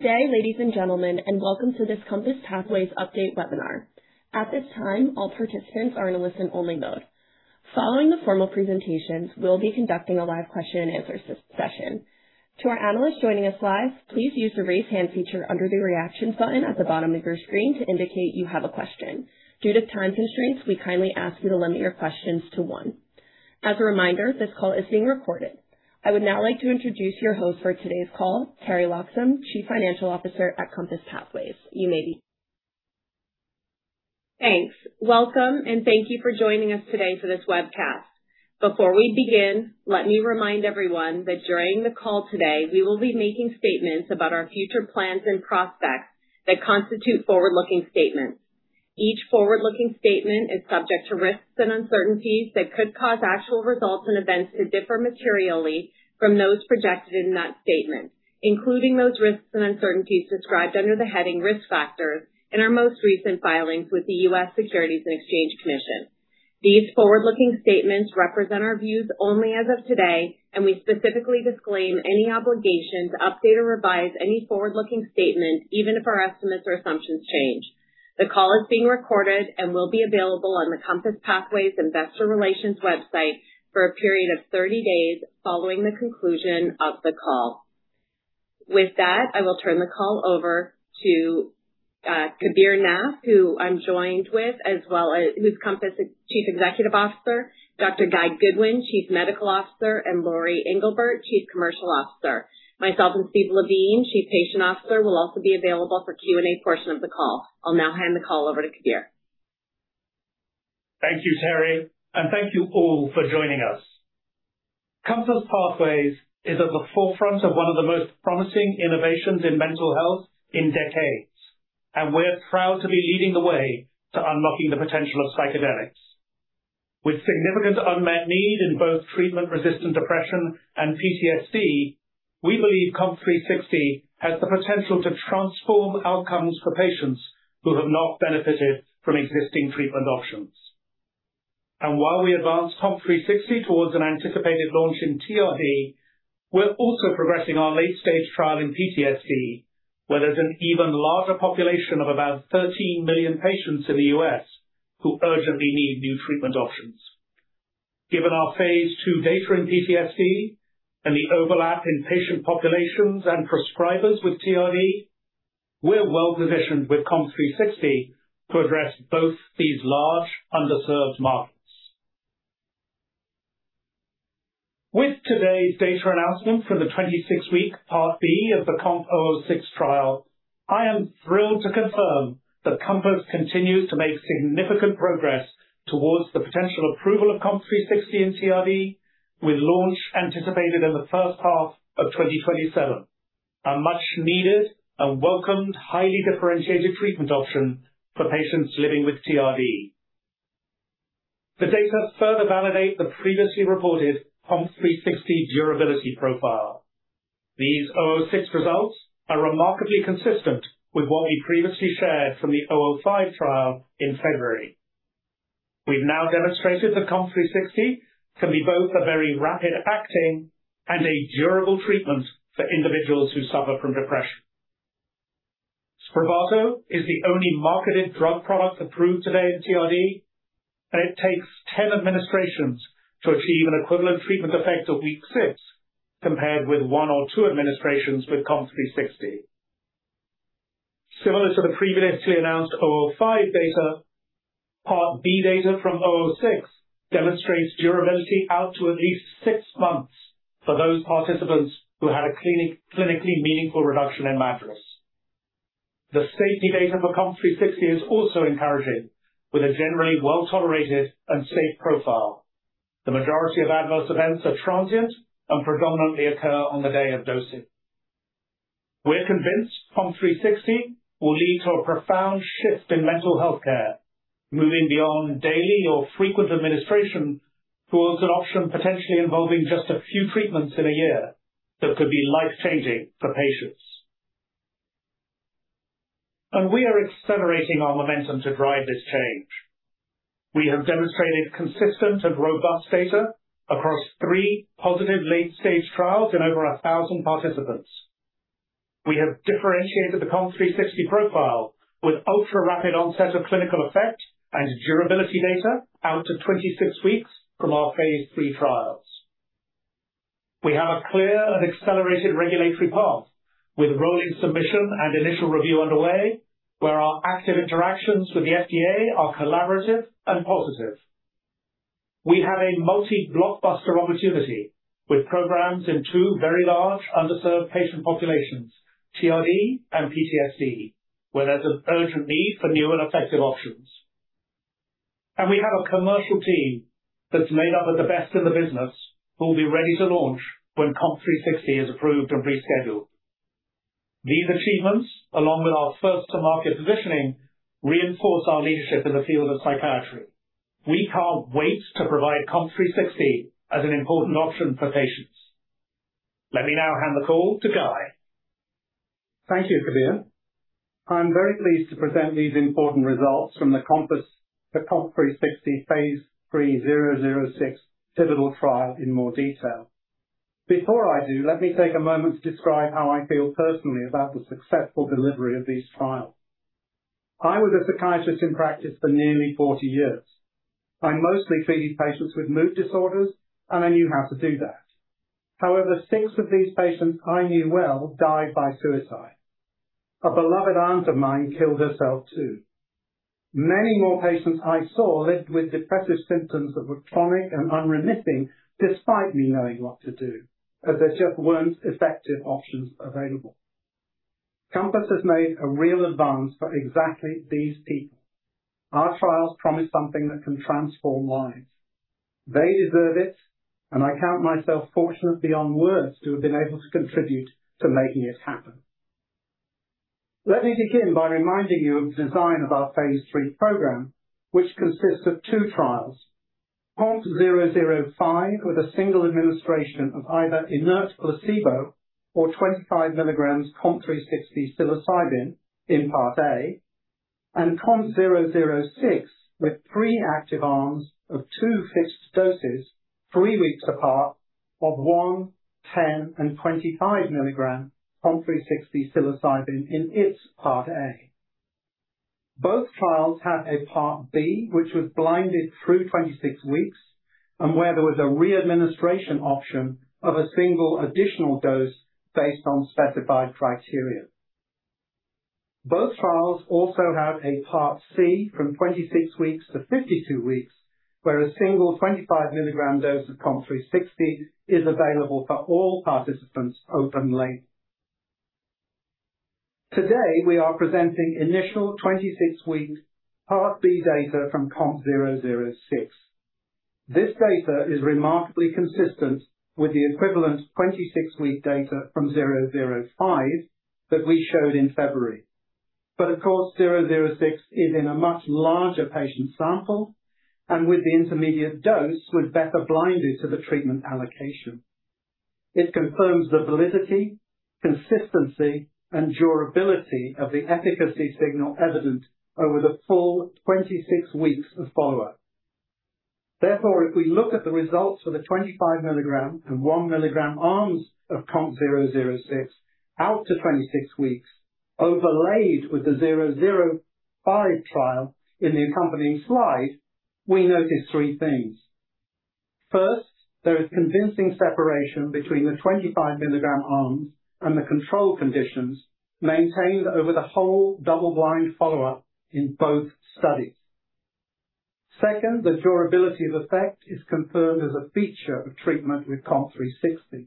Good day, ladies and gentlemen, and welcome to this COMPASS Pathways Update Webinar. At this time, all participants are in a listen-only mode. Following the formal presentations, we'll be conducting a live question-and-answer session. To our analysts joining us live, please use the raise hand feature under the reaction button at the bottom of your screen to indicate you have a question. Due to time constraints, we kindly ask you to limit your questions to one. As a reminder, this call is being recorded. I would now like to introduce your host for today's call, Teri Loxam, Chief Financial Officer at COMPASS Pathways. You may begin. Thanks. Welcome. Thank you for joining us today for this webcast. Before we begin, let me remind everyone that during the call today, we will be making statements about our future plans and prospects that constitute forward-looking statements. Each forward-looking statement is subject to risks and uncertainties that could cause actual results and events to differ materially from those projected in that statement, including those risks and uncertainties described under the heading Risk Factors in our most recent filings with the U.S. Securities and Exchange Commission. These forward-looking statements represent our views only as of today. We specifically disclaim any obligation to update or revise any forward-looking statement, even if our estimates or assumptions change. The call is being recorded and will be available on the COMPASS Pathways investor relations website for a period of 30 days following the conclusion of the call. With that, I will turn the call over to Kabir Nath, who I'm joined with, who's COMPASS' Chief Executive Officer, Dr. Guy Goodwin, Chief Medical Officer, and Lori Englebert, Chief Commercial Officer. Myself and Steve Levine, Chief Patient Officer, will also be available for Q&A portion of the call. I'll now hand the call over to Kabir. Thank you, Teri. Thank you all for joining us. COMPASS Pathways is at the forefront of one of the most promising innovations in mental health in decades. We're proud to be leading the way to unlocking the potential of psychedelics. With significant unmet need in both treatment-resistant depression and PTSD, we believe COMP360 has the potential to transform outcomes for patients who have not benefited from existing treatment options. While we advance COMP360 towards an anticipated launch in TRD, we're also progressing our late-stage trial in PTSD, where there's an even larger population of about 13 million patients in the U.S. who urgently need new treatment options. Given our phase II data in PTSD and the overlap in patient populations and prescribers with TRD, we're well-positioned with COMP360 to address both these large underserved markets. With today's data announcement for the 26-week part B of the COMP006 trial, I am thrilled to confirm that Compass continues to make significant progress towards the potential approval of COMP360 in TRD with launch anticipated in the first half of 2027. A much needed and welcomed highly differentiated treatment option for patients living with TRD. The data further validate the previously reported COMP360 durability profile. These COMP006 results are remarkably consistent with what we previously shared from the COMP005 trial in February. We've now demonstrated that COMP360 can be both a very rapid acting and a durable treatment for individuals who suffer from depression. Spravato is the only marketed drug product approved today in TRD, and it takes 10 administrations to achieve an equivalent treatment effect of week six, compared with one or two administrations with COMP360. Similar to the previously announced COMP005 data, part B data from COMP006 demonstrates durability out to at least six months for those participants who had a clinically meaningful reduction in MADRS. The safety data for COMP360 is also encouraging with a generally well-tolerated and safe profile. The majority of adverse events are transient and predominantly occur on the day of dosing. We're convinced COMP360 will lead to a profound shift in mental health care, moving beyond daily or frequent administration towards an option potentially involving just a few treatments in a year that could be life-changing for patients. We are accelerating our momentum to drive this change. We have demonstrated consistent and robust data across three positive late-stage trials in over 1,000 participants. We have differentiated the COMP360 profile with ultra-rapid onset of clinical effect and durability data out to 26 weeks from our phase III trials. We have a clear and accelerated regulatory path with rolling submission and initial review underway, where our active interactions with the FDA are collaborative and positive. We have a multi-blockbuster opportunity with programs in two very large underserved patient populations, TRD and PTSD, where there's an urgent need for new and effective options. We have a commercial team that's made up of the best in the business who will be ready to launch when COMP360 is approved and rescheduled. These achievements, along with our first-to-market positioning, reinforce our leadership in the field of psychiatry. We can't wait to provide COMP360 as an important option for patients. Let me now hand the call to Guy. Thank you, Kabir. I'm very pleased to present these important results from the COMPASS, the COMP360 phase III COMP006 pivotal trial in more detail. Before I do, let me take a moment to describe how I feel personally about the successful delivery of these trials. I was a psychiatrist in practice for nearly 40 years. I mostly treated patients with mood disorders, and I knew how to do that. However, six of these patients I knew well died by suicide. A beloved aunt of mine killed herself, too. Many more patients I saw lived with depressive symptoms that were chronic and unremitting despite me knowing what to do, as there just weren't effective options available. COMPASS has made a real advance for exactly these people. Our trials promise something that can transform lives. They deserve it, and I count myself fortunate beyond words to have been able to contribute to making it happen. Let me begin by reminding you of the design of our phase III program, which consists of two trials. COMP005, with a single administration of either inert placebo or 25 mg COMP360 psilocybin in part A, and COMP006 with three active arms of two fixed doses three weeks apart of 1 mg, 10 mg, and 25 mg COMP360 psilocybin in its part A. Both trials had a part B, which was blinded through 26 weeks, and where there was a re-administration option of a single additional dose based on specified criteria. Both trials also had a part C from 26 weeks to 52 weeks, where a single 25 mg dose of COMP360 is available for all participants openly. Today, we are presenting initial 26-week part B data from COMP006. This data is remarkably consistent with the equivalent 26-week data from COMP005 that we showed in February. Of course, COMP006 is in a much larger patient sample, and with the intermediate dose, with better blinding to the treatment allocation. It confirms the validity, consistency, and durability of the efficacy signal evident over the full 26 weeks of follow-up. Therefore, if we look at the results for the 25 mg and 1 mg arms of COMP006 out to 26 weeks overlaid with the COMP005 trial in the accompanying slide, we notice three things. First, there is convincing separation between the 25 mg arms and the control conditions maintained over the whole double-blind follow-up in both studies. Second, the durability of effect is confirmed as a feature of treatment with COMP360.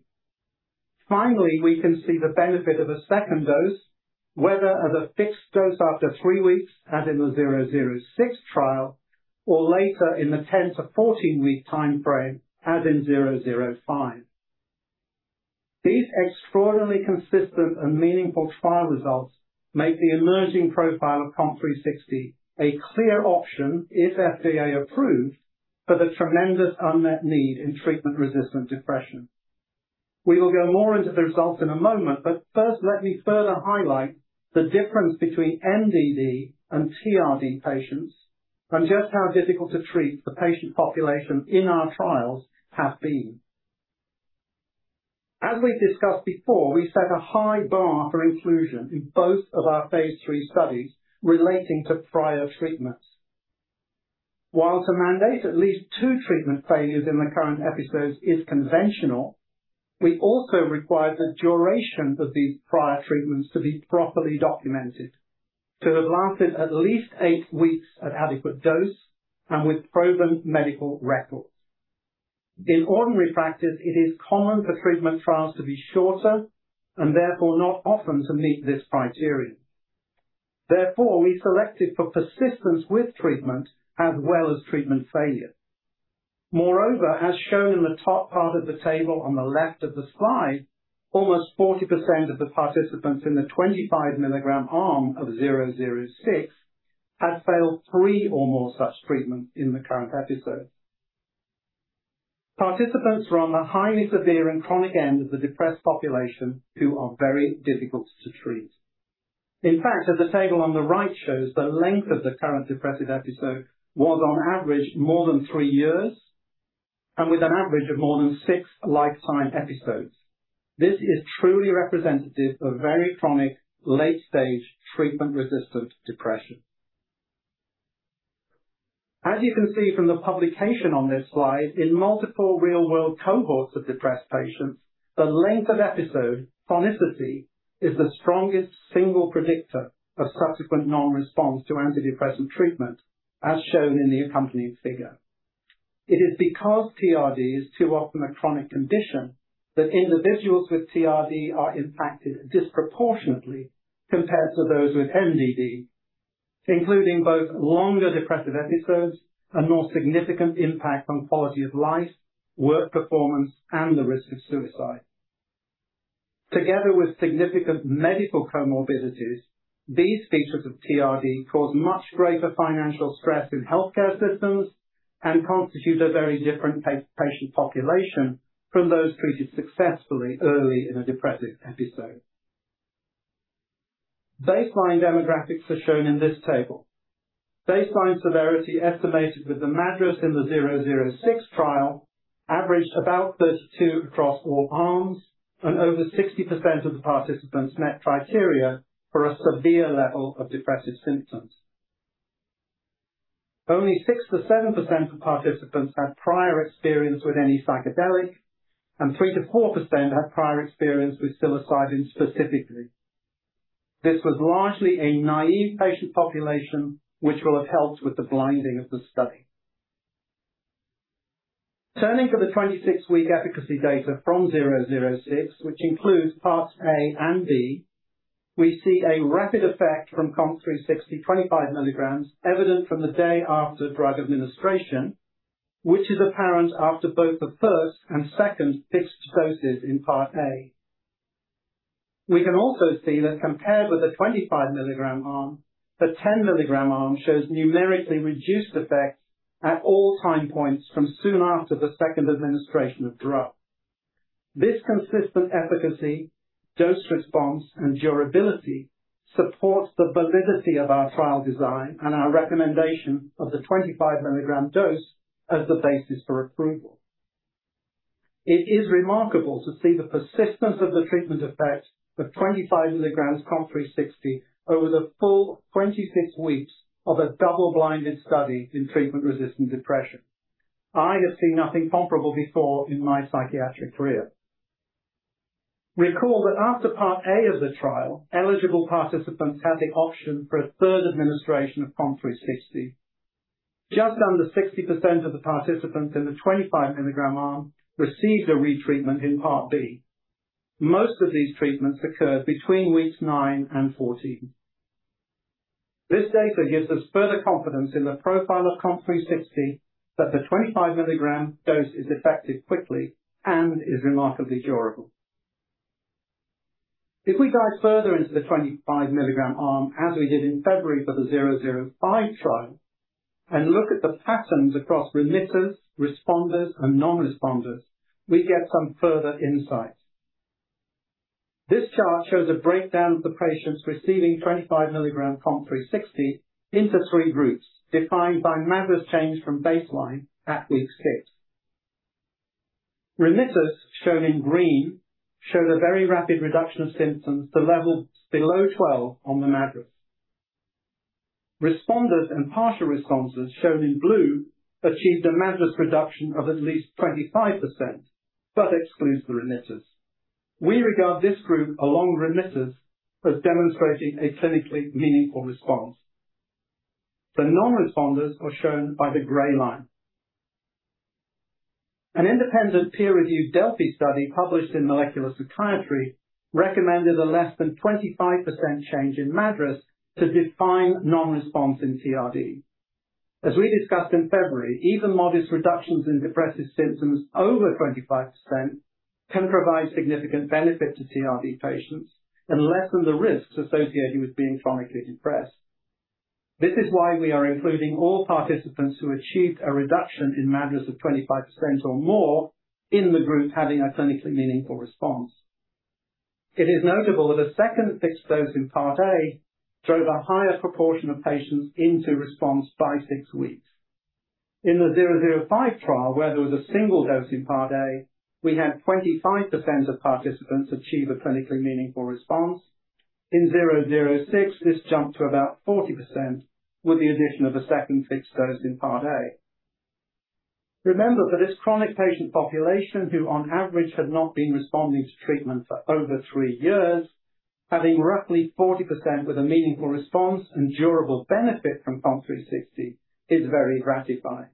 Finally, we can see the benefit of a second dose, whether as a fixed dose after three weeks, as in the COMP006 trial, or later in the 10 to 14-week timeframe, as in COMP005. These extraordinarily consistent and meaningful trial results make the emerging profile of COMP360 a clear option if FDA approves for the tremendous unmet need in treatment-resistant depression. We will go more into the results in a moment, but first, let me further highlight the difference between MDD and TRD patients and just how difficult to treat the patient population in our trials have been. As we've discussed before, we set a high bar for inclusion in both of our phase III studies relating to prior treatments. While to mandate at least two treatment failures in the current episode is conventional, we also require the duration of these prior treatments to be properly documented to have lasted at least eight weeks at adequate dose and with proven medical records. In ordinary practice, it is common for treatment trials to be shorter and therefore not often to meet this criterion. We selected for persistence with treatment as well as treatment failure. As shown in the top part of the table on the left of the slide, almost 40% of the participants in the 25 mg arm of COMP006 had failed three or more such treatments in the current episode. Participants were on the highly severe and chronic end of the depressed population who are very difficult to treat. In fact, as the table on the right shows, the length of the current depressive episode was on average more than three years and with an average of more than six lifetime episodes. This is truly representative of very chronic, late-stage treatment-resistant depression. As you can see from the publication on this slide, in multiple real-world cohorts of depressed patients, the length of episode, chronicity, is the strongest single predictor of subsequent non-response to antidepressant treatment, as shown in the accompanying figure. It is because TRD is too often a chronic condition that individuals with TRD are impacted disproportionately compared to those with MDD, including both longer depressive episodes and more significant impact on quality of life, work performance, and the risk of suicide. Together with significant medical comorbidities, these features of TRD cause much greater financial stress in healthcare systems. Constitute a very different patient population from those treated successfully early in a depressive episode. Baseline demographics are shown in this table. Baseline severity estimated with the MADRS in the COMP006 trial averaged about 32 across all arms, and over 60% of the participants met criteria for a severe level of depressive symptoms. Only 6%-7% of participants had prior experience with any psychedelic, and 3%-4% had prior experience with psilocybin specifically. This was largely a naive patient population, which will have helped with the blinding of the study. Turning to the 26-week efficacy data from COMP006, which includes Parts A and B, we see a rapid effect from COMP360 25 mg evident from the day after drug administration, which is apparent after both the first and second fixed doses in Part A. We can also see that compared with the 25 mg arm, the 10 mg arm shows numerically reduced effects at all time points from soon after the second administration of drug. This consistent efficacy, dose response, and durability supports the validity of our trial design and our recommendation of the 25 mg dose as the basis for approval. It is remarkable to see the persistence of the treatment effect of 25 mg COMP360 over the full 26 weeks of a double-blinded study in treatment-resistant depression. I have seen nothing comparable before in my psychiatric career. Recall that after Part A of the trial, eligible participants had the option for a third administration of COMP360. Just under 60% of the participants in the 25 mg arm received a retreatment in Part B. Most of these treatments occurred between weeks nine and 14. This data gives us further confidence in the profile of COMP360 that the 25 mg dose is effective quickly and is remarkably durable. If we dive further into the 25 mg arm, as we did in February for the COMP005 trial, and look at the patterns across remitters, responders, and non-responders, we get some further insight. This chart shows a breakdown of the patients receiving 25 mg COMP360 into three groups defined by MADRS change from baseline at week 6. Remitters, shown in green, showed a very rapid reduction of symptoms to levels below 12 on the MADRS. Responders and partial responses, shown in blue, achieved a MADRS reduction of at least 25%, but excludes the remitters. We regard this group, along with remitters, as demonstrating a clinically meaningful response. The non-responders are shown by the gray line. An independent peer-reviewed Delphi study published in "Molecular Psychiatry" recommended a less than 25% change in MADRS to define non-response in TRD. As we discussed in February, even modest reductions in depressive symptoms over 25% can provide significant benefit to TRD patients and lessen the risks associated with being chronically depressed. This is why we are including all participants who achieved a reduction in MADRS of 25% or more in the group having a clinically meaningful response. It is notable that a second fixed dose in Part A drove a higher proportion of patients into response by six weeks. In the COMP005 trial, where there was a single dose in Part A, we had 25% of participants achieve a clinically meaningful response. In COMP006, this jumped to about 40% with the addition of a second fixed dose in Part A. For this chronic patient population, who on average had not been responding to treatment for over three years, having roughly 40% with a meaningful response and durable benefit from COMP360 is very gratifying.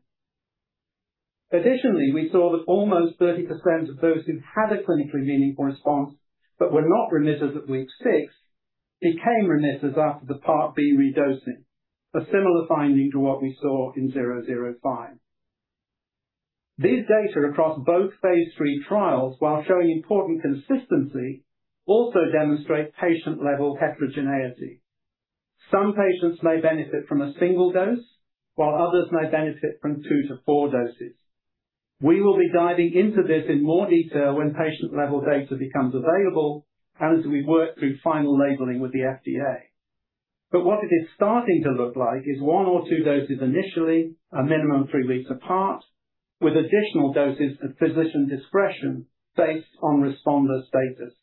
Additionally, we saw that almost 30% of those who had a clinically meaningful response but were not remitters at week 6 became remitters after the Part B redosing, a similar finding to what we saw in COMP005. These data across both phase III trials, while showing important consistency, also demonstrate patient-level heterogeneity. Some patients may benefit from a single dose, while others may benefit from two to four doses. We will be diving into this in more detail when patient-level data becomes available and as we work through final labeling with the FDA. What it is starting to look like is one or two doses initially, a minimum of three weeks apart, with additional doses at physician discretion based on responder status.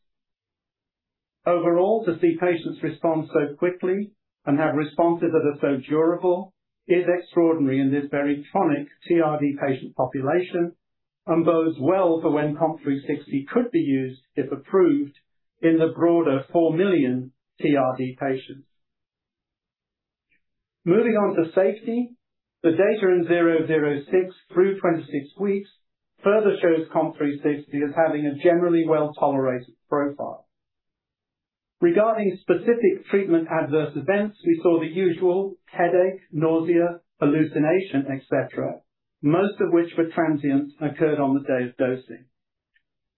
Overall, to see patients respond so quickly and have responses that are so durable is extraordinary in this very chronic TRD patient population and bodes well for when COMP360 could be used, if approved, in the broader 4 million TRD patients. Moving on to safety, the data in COMP006 through 26 weeks further shows COMP360 as having a generally well-tolerated profile. Regarding specific treatment adverse events, we saw the usual headache, nausea, hallucination, et cetera, most of which were transient and occurred on the day of dosing.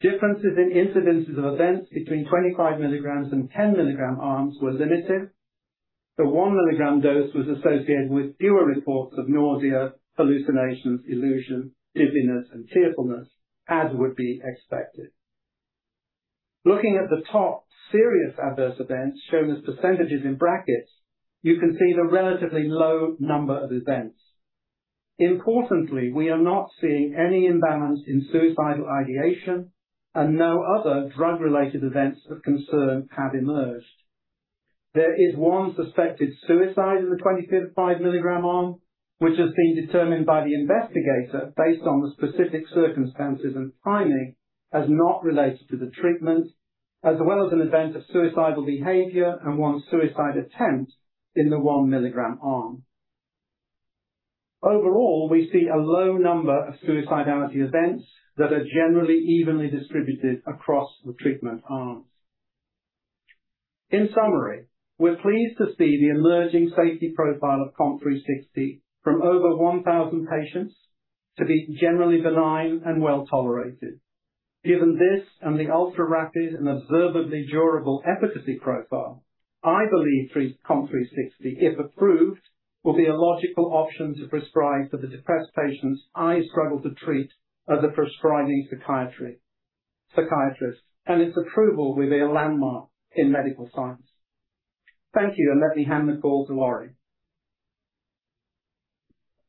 Differences in incidences of events between 25 mg and 10 mg arms were limited. The 1 mg dose was associated with fewer reports of nausea, hallucinations, illusion, dizziness, and tearfulness as would be expected. Looking at the top serious adverse events shown as % in brackets, you can see the relatively low number of events. Importantly, we are not seeing any imbalance in suicidal ideation and no other drug-related events of concern have emerged. There is one suspected suicide in the 25 mg arm, which has been determined by the investigator based on the specific circumstances and timing, as not related to the treatment, as well as an event of suicidal behavior and one suicide attempt in the 1 mg arm. Overall, we see a low number of suicidality events that are generally evenly distributed across the treatment arms. In summary, we're pleased to see the emerging safety profile of COMP360 from over 1,000 patients to be generally benign and well-tolerated. Given this and the ultra-rapid and observably durable efficacy profile, I believe COMP360, if approved, will be a logical option to prescribe for the depressed patients I struggle to treat as a prescribing psychiatrist, and its approval will be a landmark in medical science. Thank you. Let me hand the call to Lori.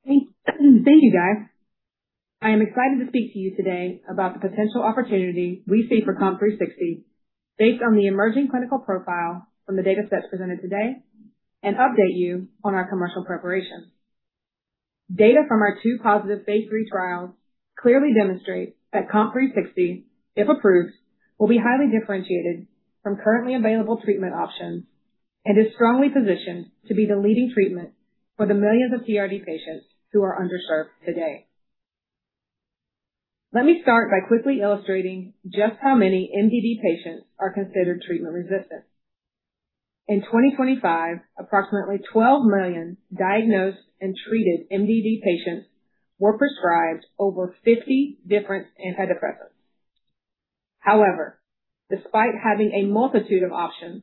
Thank you, Guy. I am excited to speak to you today about the potential opportunity we see for COMP360, based on the emerging clinical profile from the datasets presented today, and update you on our commercial preparation. Data from our two positive phase III trials clearly demonstrate that COMP360, if approved, will be highly differentiated from currently available treatment options and is strongly positioned to be the leading treatment for the millions of TRD patients who are underserved today. Let me start by quickly illustrating just how many MDD patients are considered treatment-resistant. In 2025, approximately 12 million diagnosed and treated MDD patients were prescribed over 50 different antidepressants. However, despite having a multitude of options,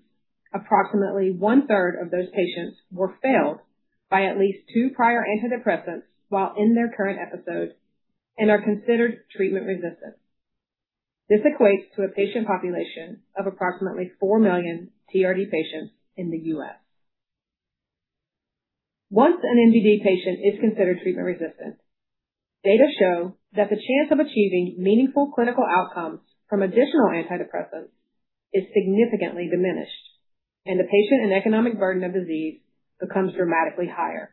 approximately one-third of those patients were failed by at least two prior antidepressants while in their current episode and are considered treatment-resistant. This equates to a patient population of approximately 4 million TRD patients in the U.S. Once an MDD patient is considered treatment-resistant, data show that the chance of achieving meaningful clinical outcomes from additional antidepressants is significantly diminished, and the patient and economic burden of disease becomes dramatically higher.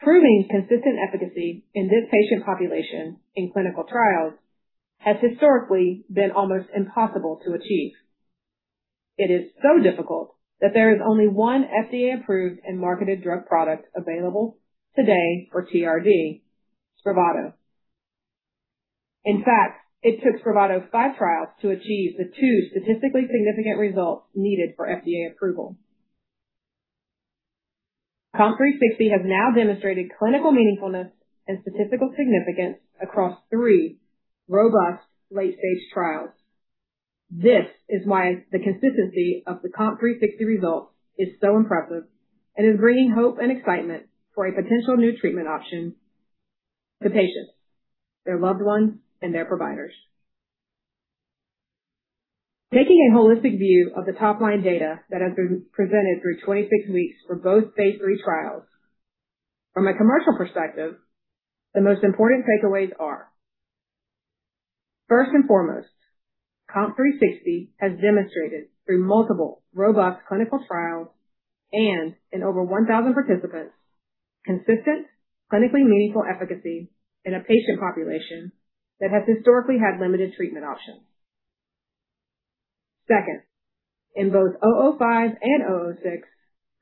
Proving consistent efficacy in this patient population in clinical trials has historically been almost impossible to achieve. It is so difficult that there is only one FDA-approved and marketed drug product available today for TRD, Spravato. In fact, it took Spravato five trials to achieve the two statistically significant results needed for FDA approval. COMP360 has now demonstrated clinical meaningfulness and statistical significance across three robust late-stage trials. This is why the consistency of the COMP360 results is so impressive and is bringing hope and excitement for a potential new treatment option to patients, their loved ones, and their providers. Taking a holistic view of the top-line data that has been presented through 26 weeks for both phase III trials, from a commercial perspective, the most important takeaways are, first and foremost, COMP360 has demonstrated through multiple robust clinical trials and in over 1,000 participants, consistent clinically meaningful efficacy in a patient population that has historically had limited treatment options. Second, in both COMP005 and COMP006,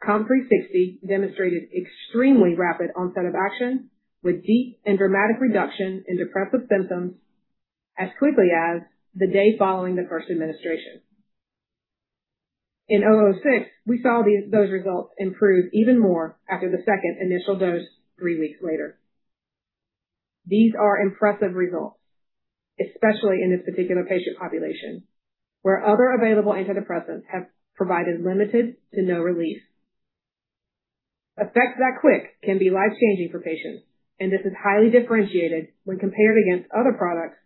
COMP360 demonstrated extremely rapid onset of action with deep and dramatic reduction in depressive symptoms as quickly as the day following the first administration. In COMP006, we saw those results improve even more after the second initial dose three weeks later. These are impressive results, especially in this particular patient population, where other available antidepressants have provided limited to no relief. Effects that quick can be life-changing for patients, and this is highly differentiated when compared against other products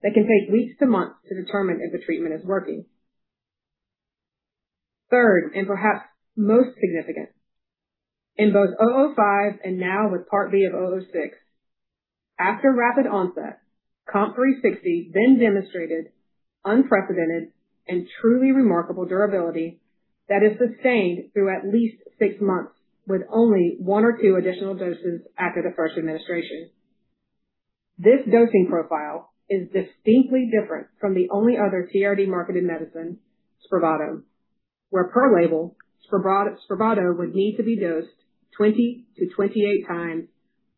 that can take weeks to months to determine if the treatment is working. Third, perhaps most significant, in both COMP005 and now with Part B of COMP006, after rapid onset, COMP360 then demonstrated unprecedented and truly remarkable durability that is sustained through at least six months with only one or two additional doses after the first administration. This dosing profile is distinctly different from the only other TRD marketed medicine, Spravato, where per label, Spravato would need to be dosed 20 to 28 times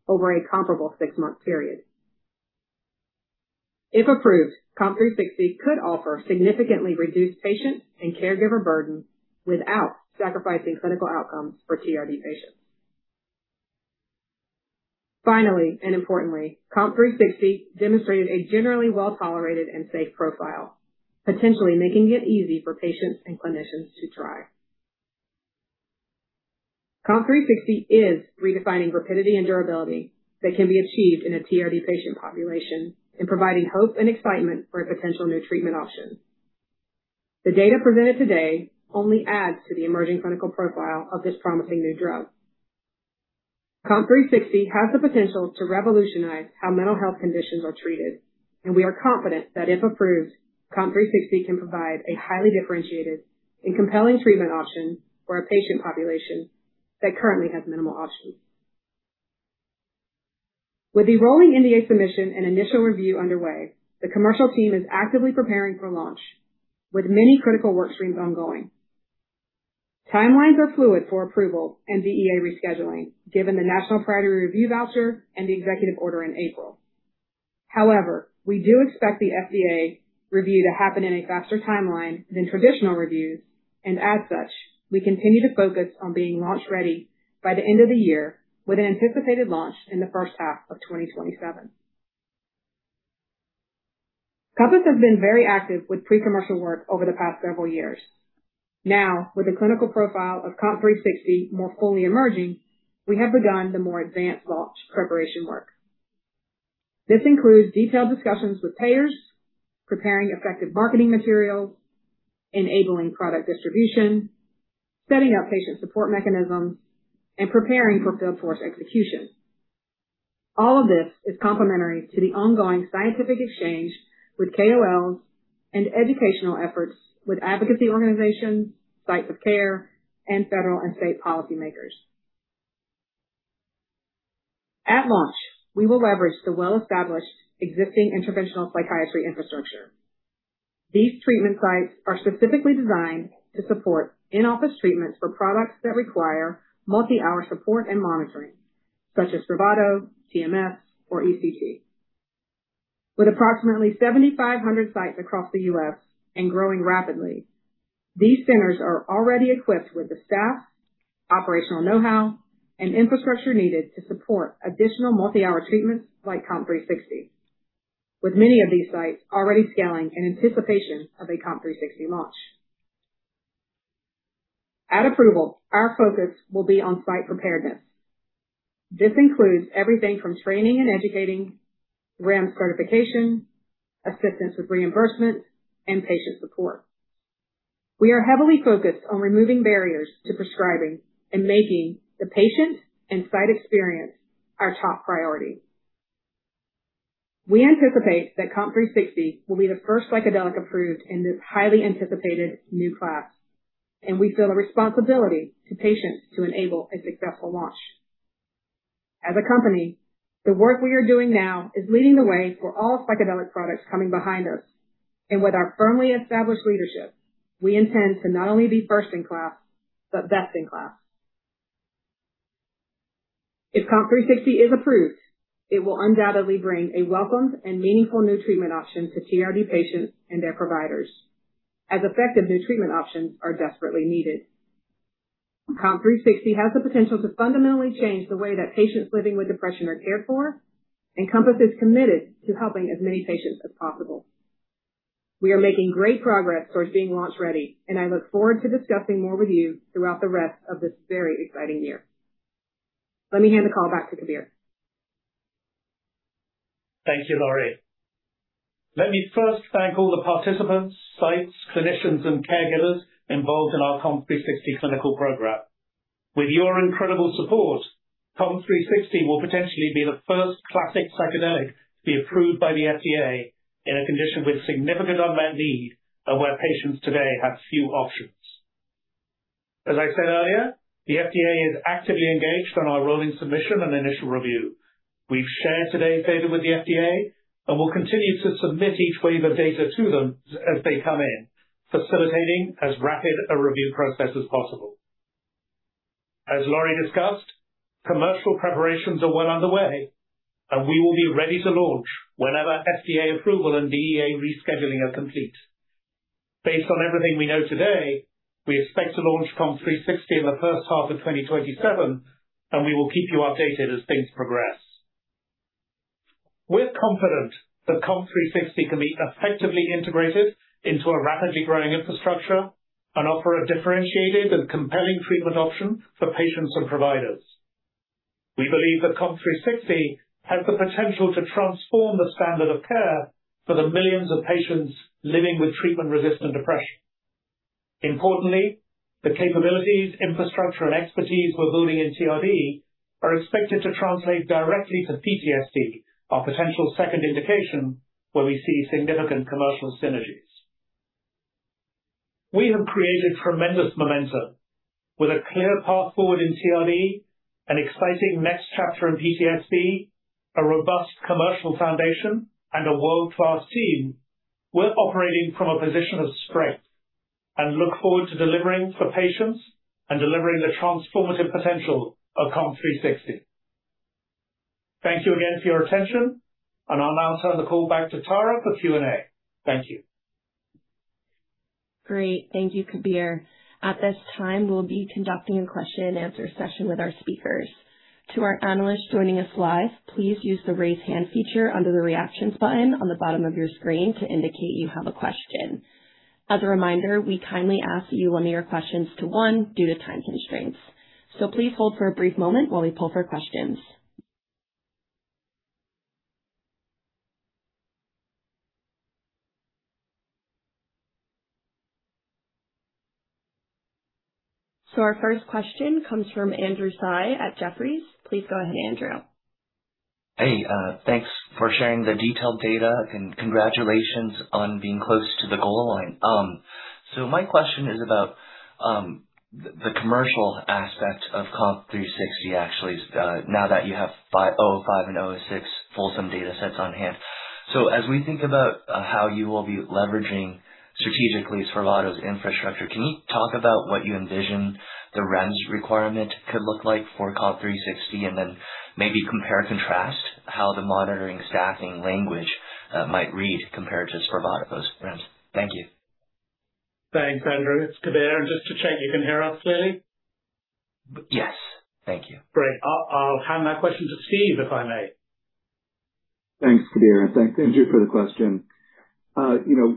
over a comparable six-month period. If approved, COMP360 could offer significantly reduced patient and caregiver burden without sacrificing clinical outcomes for TRD patients. Finally, importantly, COMP360 demonstrated a generally well-tolerated and safe profile, potentially making it easy for patients and clinicians to try. COMP360 is redefining rapidity and durability that can be achieved in a TRD patient population and providing hope and excitement for a potential new treatment option. The data presented today only adds to the emerging clinical profile of this promising new drug. COMP360 has the potential to revolutionize how mental health conditions are treated, we are confident that, if approved, COMP360 can provide a highly differentiated and compelling treatment option for a patient population that currently has minimal options. With the rolling NDA submission and initial review underway, the commercial team is actively preparing for launch with many critical workstreams ongoing. Timelines are fluid for approval and DEA rescheduling given the national priority review voucher and the executive order in April. However, we do expect the FDA review to happen in a faster timeline than traditional reviews, and as such, we continue to focus on being launch-ready by the end of the year with an anticipated launch in the first half of 2027. COMPASS has been very active with pre-commercial work over the past several years. Now, with the clinical profile of COMP360 more fully emerging, we have begun the more advanced launch preparation work. This includes detailed discussions with payers, preparing effective marketing materials, enabling product distribution, setting up patient support mechanisms, and preparing for field force execution. All of this is complementary to the ongoing scientific exchange with KOLs and educational efforts with advocacy organizations, sites of care, and federal and state policymakers. At launch, we will leverage the well-established existing interventional psychiatry infrastructure. These treatment sites are specifically designed to support in-office treatments for products that require multi-hour support and monitoring, such as Spravato, TMS, or ECT. With approximately 7,500 sites across the U.S. and growing rapidly, these centers are already equipped with the staff, operational know-how, and infrastructure needed to support additional multi-hour treatments like COMP360, with many of these sites already scaling in anticipation of a COMP360 launch. At approval, our focus will be on site preparedness. This includes everything from training and educating, REMS certification, assistance with reimbursement, and patient support. We are heavily focused on removing barriers to prescribing and making the patient and site experience our top priority. We anticipate that COMP360 will be the first psychedelic approved in this highly anticipated new class. We feel a responsibility to patients to enable a successful launch. Thank you, Lori. Let me first thank all the participants, sites, clinicians, and caregivers involved in our COMP360 clinical program. With your incredible support, COMP360 will potentially be the first classic psychedelic to be approved by the FDA in a condition with significant unmet need and where patients today have few options. As I said earlier, the FDA is actively engaged on our rolling submission and initial review. We've shared today's data with the FDA and will continue to submit each wave of data to them as they come in, facilitating as rapid a review process as possible. As Lori discussed, commercial preparations are well underway. We will be ready to launch whenever FDA approval and DEA rescheduling are complete. Based on everything we know today, we expect to launch COMP360 in the first half of 2027. We will keep you updated as things progress. We're confident that COMP360 can be effectively integrated into a rapidly growing infrastructure and offer a differentiated and compelling treatment option for patients and providers. We believe that COMP360 has the potential to transform the standard of care for the millions of patients living with treatment-resistant depression. Importantly, the capabilities, infrastructure, and expertise we're building in TRD are expected to translate directly to PTSD, our potential second indication, where we see significant commercial synergies. We have created tremendous momentum with a clear path forward in TRD, an exciting next chapter in PTSD, a robust commercial foundation, and a world-class team. We're operating from a position of strength and look forward to delivering for patients and delivering the transformative potential of COMP360. Thank you again for your attention. I'll now turn the call back to Tara for Q&A. Thank you. Great. Thank you, Kabir. At this time, we'll be conducting a question-and-answer session with our speakers. To our analysts joining us live, please use the raise hand feature under the Reactions button on the bottom of your screen to indicate you have a question. As a reminder, we kindly ask that you limit your questions to one due to time constraints. Please hold for a brief moment while we poll for questions. Our first question comes from Andrew Tsai at Jefferies. Please go ahead, Andrew. Hey, thanks for sharing the detailed data, and congratulations on being close to the goal line. My question is about the commercial aspect of COMP360, actually, now that you have COMP005 and COMP006 fulsome data sets on hand. As we think about how you will be leveraging strategically Spravato's infrastructure, can you talk about what you envision the REMS requirement could look like for COMP360? Maybe compare and contrast how the monitoring staffing language might read compared to Spravato's REMS. Thank you. Thanks, Andrew. It's Kabir. Just to check, you can hear us clearly? Yes. Thank you. Great. I'll hand that question to Steve, if I may. Thanks, Kabir, and thanks, Andrew, for the question.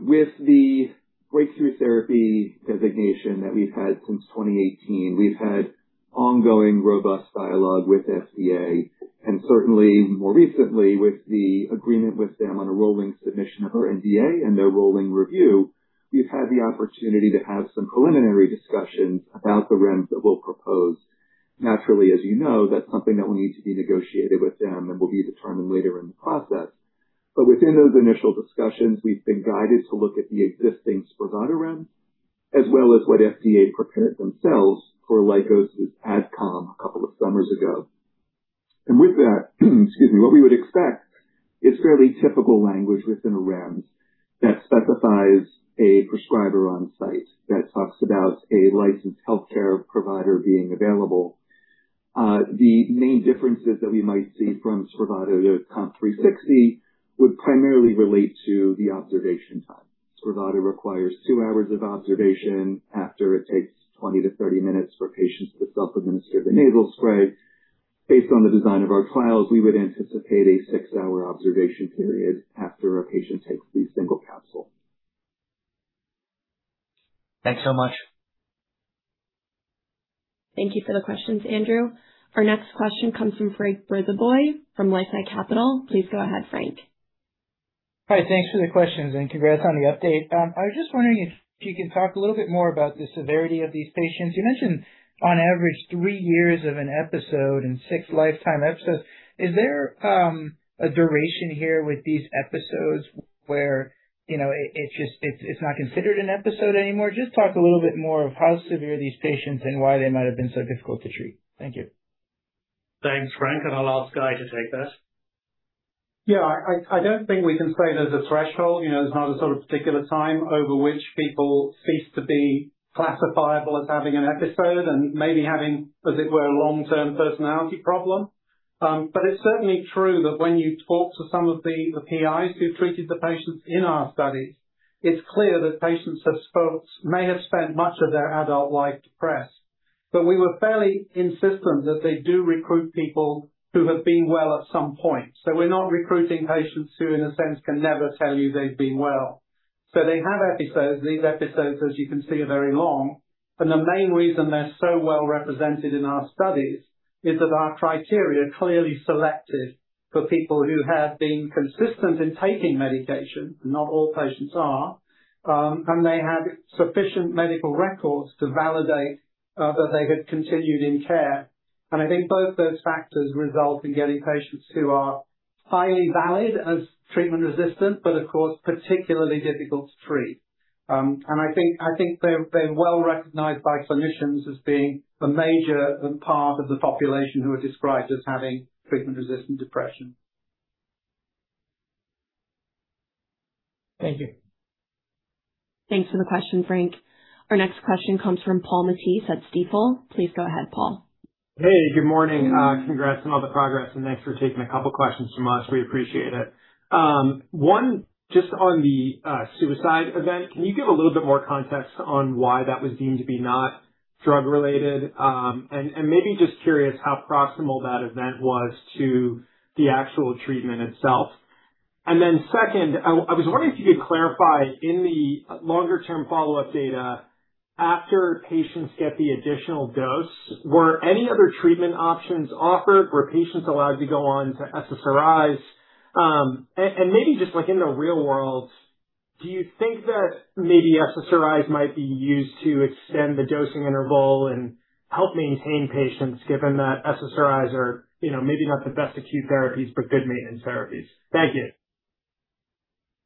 With the breakthrough therapy designation that we've had since 2018, we've had ongoing robust dialogue with FDA, and certainly more recently with the agreement with them on a rolling submission of our NDA and their rolling review. We've had the opportunity to have some preliminary discussions about the REMS that we'll propose. Naturally, as you know, that's something that will need to be negotiated with them and will be determined later in the process. Within those initial discussions, we've been guided to look at the existing Spravato REMS as well as what FDA prepared themselves for Lykos's ADCOM a couple of summers ago. With that, excuse me, what we would expect is fairly typical language within a REMS that specifies a prescriber on site that talks about a licensed healthcare provider being available. The main differences that we might see from Spravato to COMP360 would primarily relate to the observation time. Spravato requires two hours of observation after it takes 20 to 30 minutes for patients to self-administer the nasal spray. Based on the design of our trials, we would anticipate a six-hour observation period after a patient takes the single capsule. Thanks so much. Thank you for the questions, Andrew. Our next question comes from François Brisebois from LifeSci Capital. Please go ahead, François. Hi. Thanks for the questions and congrats on the update. I was just wondering if you could talk a little bit more about the severity of these patients. You mentioned on average three years of an episode and six lifetime episodes. Is there a duration here with these episodes where it's not considered an episode anymore? Just talk a little bit more of how severe these patients and why they might have been so difficult to treat. Thank you. Thanks, François. I'll ask Guy to take that. I don't think we can say there's a threshold. There's not a sort of particular time over which people cease to be classifiable as having an episode and maybe having, as it were, a long-term personality problem. It's certainly true that when you talk to some of the PIs who treated the patients in our studies, it's clear that patients may have spent much of their adult life depressed. We were fairly insistent that they do recruit people who have been well at some point. We're not recruiting patients who, in a sense, can never tell you they've been well. They have episodes. These episodes, as you can see, are very long, and the main reason they're so well-represented in our studies is that our criteria clearly selected for people who have been consistent in taking medication. Not all patients are. They have sufficient medical records to validate that they had continued in care. I think both those factors result in getting patients who are highly valid as treatment-resistant, but of course, particularly difficult to treat. I think they're well-recognized by clinicians as being a major part of the population who are described as having treatment-resistant depression. Thank you. Thanks for the question, François. Our next question comes from Paul Matteis at Stifel. Please go ahead, Paul. Hey, good morning. Congrats on all the progress, and thanks for taking a couple of questions from us. We appreciate it. One, just on the suicide event, can you give a little bit more context on why that was deemed to be not drug-related? Maybe just curious how proximal that event was to the actual treatment itself. Second, I was wondering if you could clarify in the longer-term follow-up data, after patients get the additional dose, were any other treatment options offered? Were patients allowed to go on to SSRIs? Maybe just like in the real world, do you think that maybe SSRIs might be used to extend the dosing interval and help maintain patients, given that SSRIs are maybe not the best acute therapies, but good maintenance therapies. Thank you.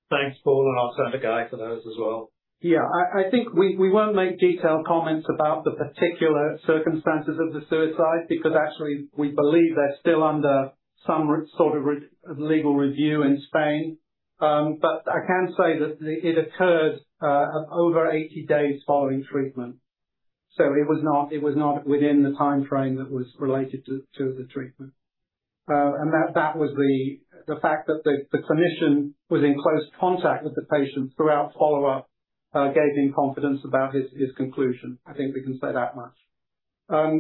Thanks, Paul. I'll send to Guy for those as well. I think we won't make detailed comments about the particular circumstances of the suicide because actually we believe they're still under some sort of legal review in Spain. I can say that it occurred over 80 days following treatment. It was not within the time frame that was related to the treatment. The fact that the clinician was in close contact with the patient throughout follow-up gave him confidence about his conclusion. I think we can say that much.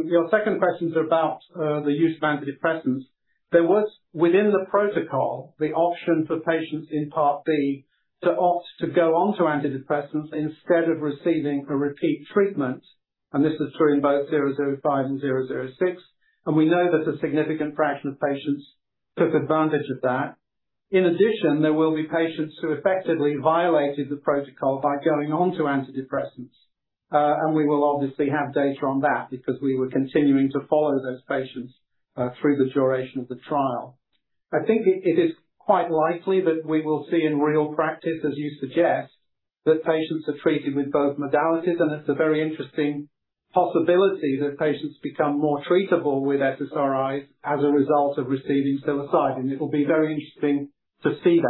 Your second question's about the use of antidepressants. There was, within the protocol, the option for patients in Part B to opt to go onto antidepressants instead of receiving a repeat treatment. This is true in both COMP005 and COMP006. We know that a significant fraction of patients took advantage of that. In addition, there will be patients who effectively violated the protocol by going on to antidepressants. We will obviously have data on that because we were continuing to follow those patients through the duration of the trial. I think it is quite likely that we will see in real practice, as you suggest, that patients are treated with both modalities. It's a very interesting possibility that patients become more treatable with SSRIs as a result of receiving psilocybin. It'll be very interesting to see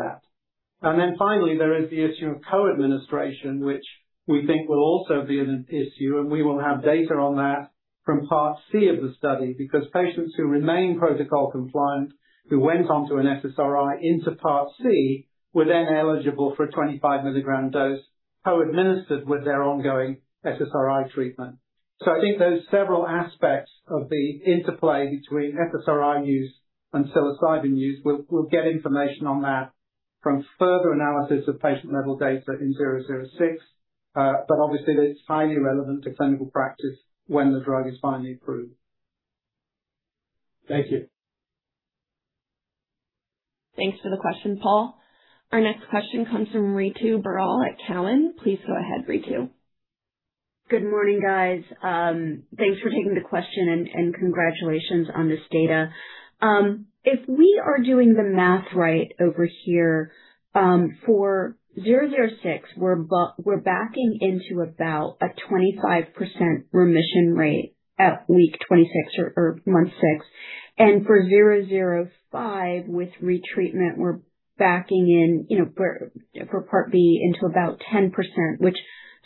that. Finally, there is the issue of co-administration, which we think will also be an issue. We will have data on that from Part C of the study because patients who remain protocol compliant, who went onto an SSRI into Part C, were then eligible for a 25 mg dose co-administered with their ongoing SSRI treatment. I think there's several aspects of the interplay between SSRI use and psilocybin use. We'll get information on that from further analysis of patient-level data in COMP006. Obviously, it's highly relevant to clinical practice when the drug is finally approved. Thank you. Thanks for the question, Paul. Our next question comes from Ritu Baral at TD Cowen. Please go ahead, Ritu. Good morning, guys. Thanks for taking the question, and congratulations on this data. If we are doing the math right over here, for COMP006, we're backing into about a 25% remission rate at week 26 or month six. For COMP005, with retreatment, we're backing in, for Part B, into about 10%, which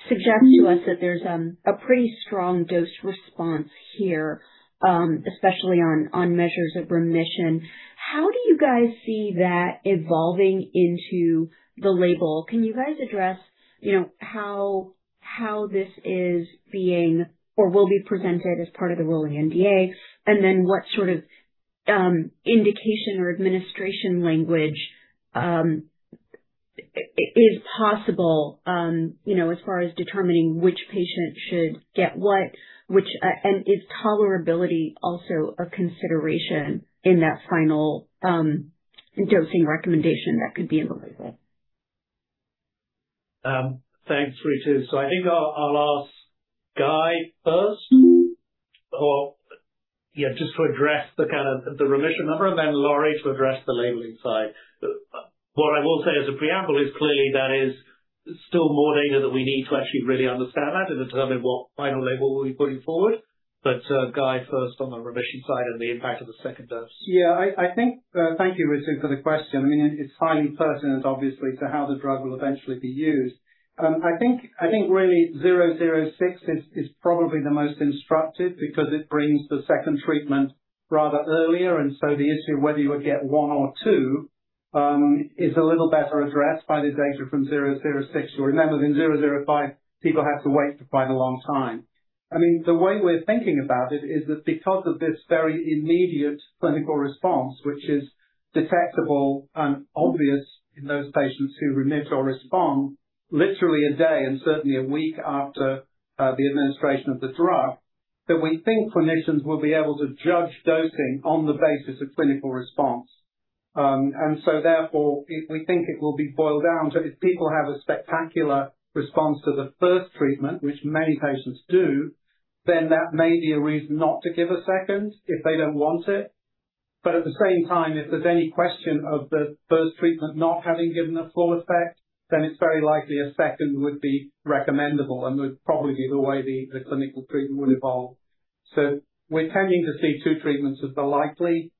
suggests to us that there's a pretty strong dose response here, especially on measures of remission. How do you guys see that evolving into the label? Can you guys address how this is being or will be presented as part of the rolling NDA, what sort of indication or administration language is possible as far as determining which patient should get what, is tolerability also a consideration in that final dosing recommendation that could be in the label? Thanks, Ritu. I think I'll ask Guy first just to address the kind of the remission number Lori to address the labeling side. What I will say as a preamble is clearly that is still more data that we need to actually really understand that and determine what final label we'll be putting forward. Guy first on the remission side and the impact of the second dose. Thank you, Ritu, for the question. It's highly pertinent, obviously, to how the drug will eventually be used. I think really COMP006 is probably the most instructive because it brings the second treatment rather earlier. So the issue of whether you would get one or two is a little better addressed by the data from COMP006. You'll remember in COMP005, people had to wait for quite a long time. The way we're thinking about it is that because of this very immediate clinical response, which is detectable and obvious in those patients who remit or respond literally a day and certainly a week after the administration of the drug, that we think clinicians will be able to judge dosing on the basis of clinical response. Therefore, we think it will be boiled down to if people have a spectacular response to the first treatment, which many patients do, then that may be a reason not to give a second if they don't want it. At the same time, if there's any question of the first treatment not having given a full effect, then it's very likely a second would be recommendable and would probably be the way the clinical treatment would evolve. We're tending to see two treatments as the likely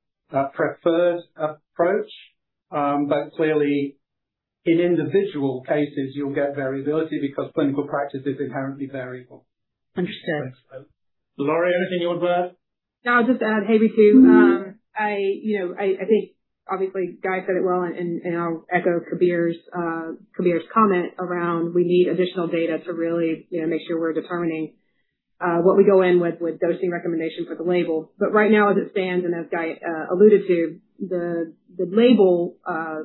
preferred approach. Clearly, in individual cases, you'll get variability because clinical practice is inherently variable. Understood. Lori, anything you would add? No, I'll just add, hey, Ritu. I think obviously Guy said it well, I'll echo Kabir's comment around we need additional data to really make sure we're determining what we go in with dosing recommendation for the label. Right now, as it stands, as Guy alluded to, the label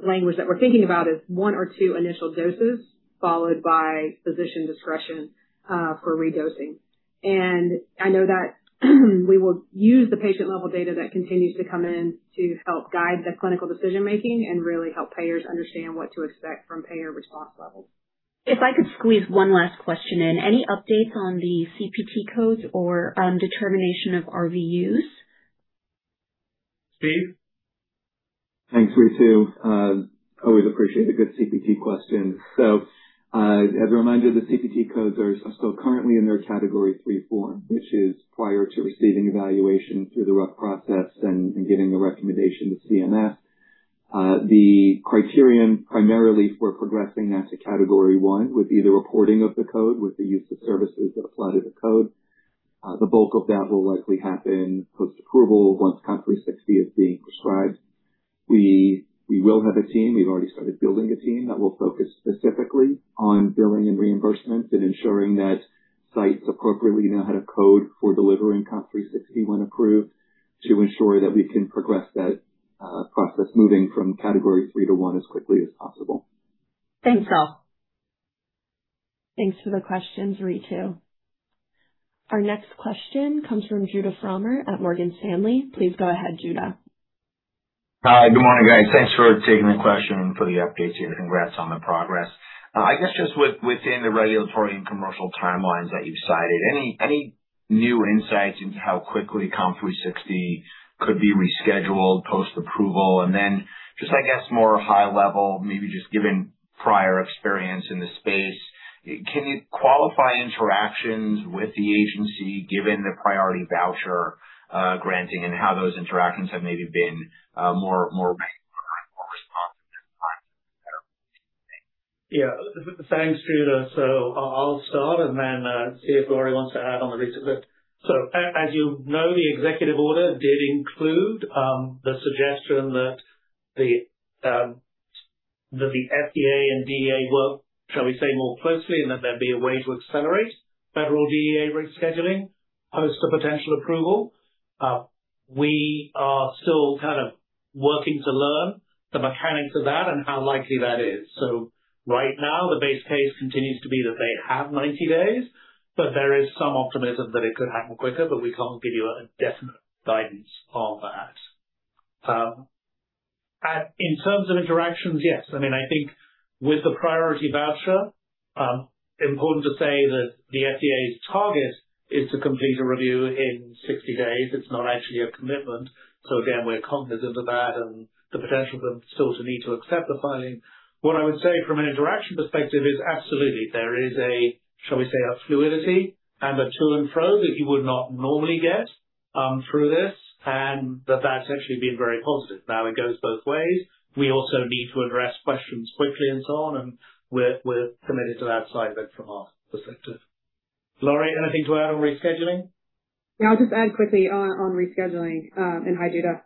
language that we're thinking about is one or two initial doses followed by physician discretion for redosing. I know that we will use the patient-level data that continues to come in to help guide the clinical decision making and really help payers understand what to expect from payer response levels. If I could squeeze one last question in. Any updates on the CPT codes or determination of RVU use? Steve? Thanks, Ritu. Always appreciate a good CPT question. As a reminder, the CPT codes are still currently in their Category 3 form, which is prior to receiving evaluation through the RUC process and getting the recommendation to CMS. The criterion primarily for progressing that to Category 1 would be the reporting of the code with the use of services that apply to the code. The bulk of that will likely happen post-approval once COMP360 is being prescribed. We will have a team. We've already started building a team that will focus specifically on billing and reimbursements and ensuring that sites appropriately know how to code for delivering COMP360 when approved to ensure that we can progress that process moving from Category 3 to 1 as quickly as possible. Thanks, all. Thanks for the question, Ritu. Our next question comes from Judah Frommer at Morgan Stanley. Please go ahead, Judah. Hi. Good morning, guys. Thanks for taking the question, for the update here, and congrats on the progress. I guess just within the regulatory and commercial timelines that you've cited, any new insights into how quickly COMP360 could be rescheduled post-approval? Just, I guess more high level, maybe just given prior experience in this space, can you qualify interactions with the agency given the priority voucher granting and how those interactions have maybe been more responsive this time? Thanks. Yeah. Thanks, Judah. I'll start and then see if Lori wants to add on the rest of it. As you know, the executive order did include the suggestion that the FDA and DEA work, shall we say, more closely, and that there'd be a way to accelerate federal DEA rescheduling post the potential approval. We are still kind of working to learn the mechanics of that and how likely that is. Right now, the base case continues to be that they have 90 days, but there is some optimism that it could happen quicker, but we can't give you a definite guidance on that. In terms of interactions, yes. I think with the priority voucher, important to say that the FDA's target is to complete a review in 60 days. It's not actually a commitment. Again, we're cognizant of that and the potential for them still to need to accept the filing. What I would say from an interaction perspective is absolutely, there is a, shall we say, a fluidity and a to and fro that you would not normally get through this, and that's actually been very positive. Now it goes both ways. We also need to address questions quickly and so on, and we're committed to that side of it from our perspective. Lori, anything to add on rescheduling? Yeah, I'll just add quickly on rescheduling, and hi, Judah.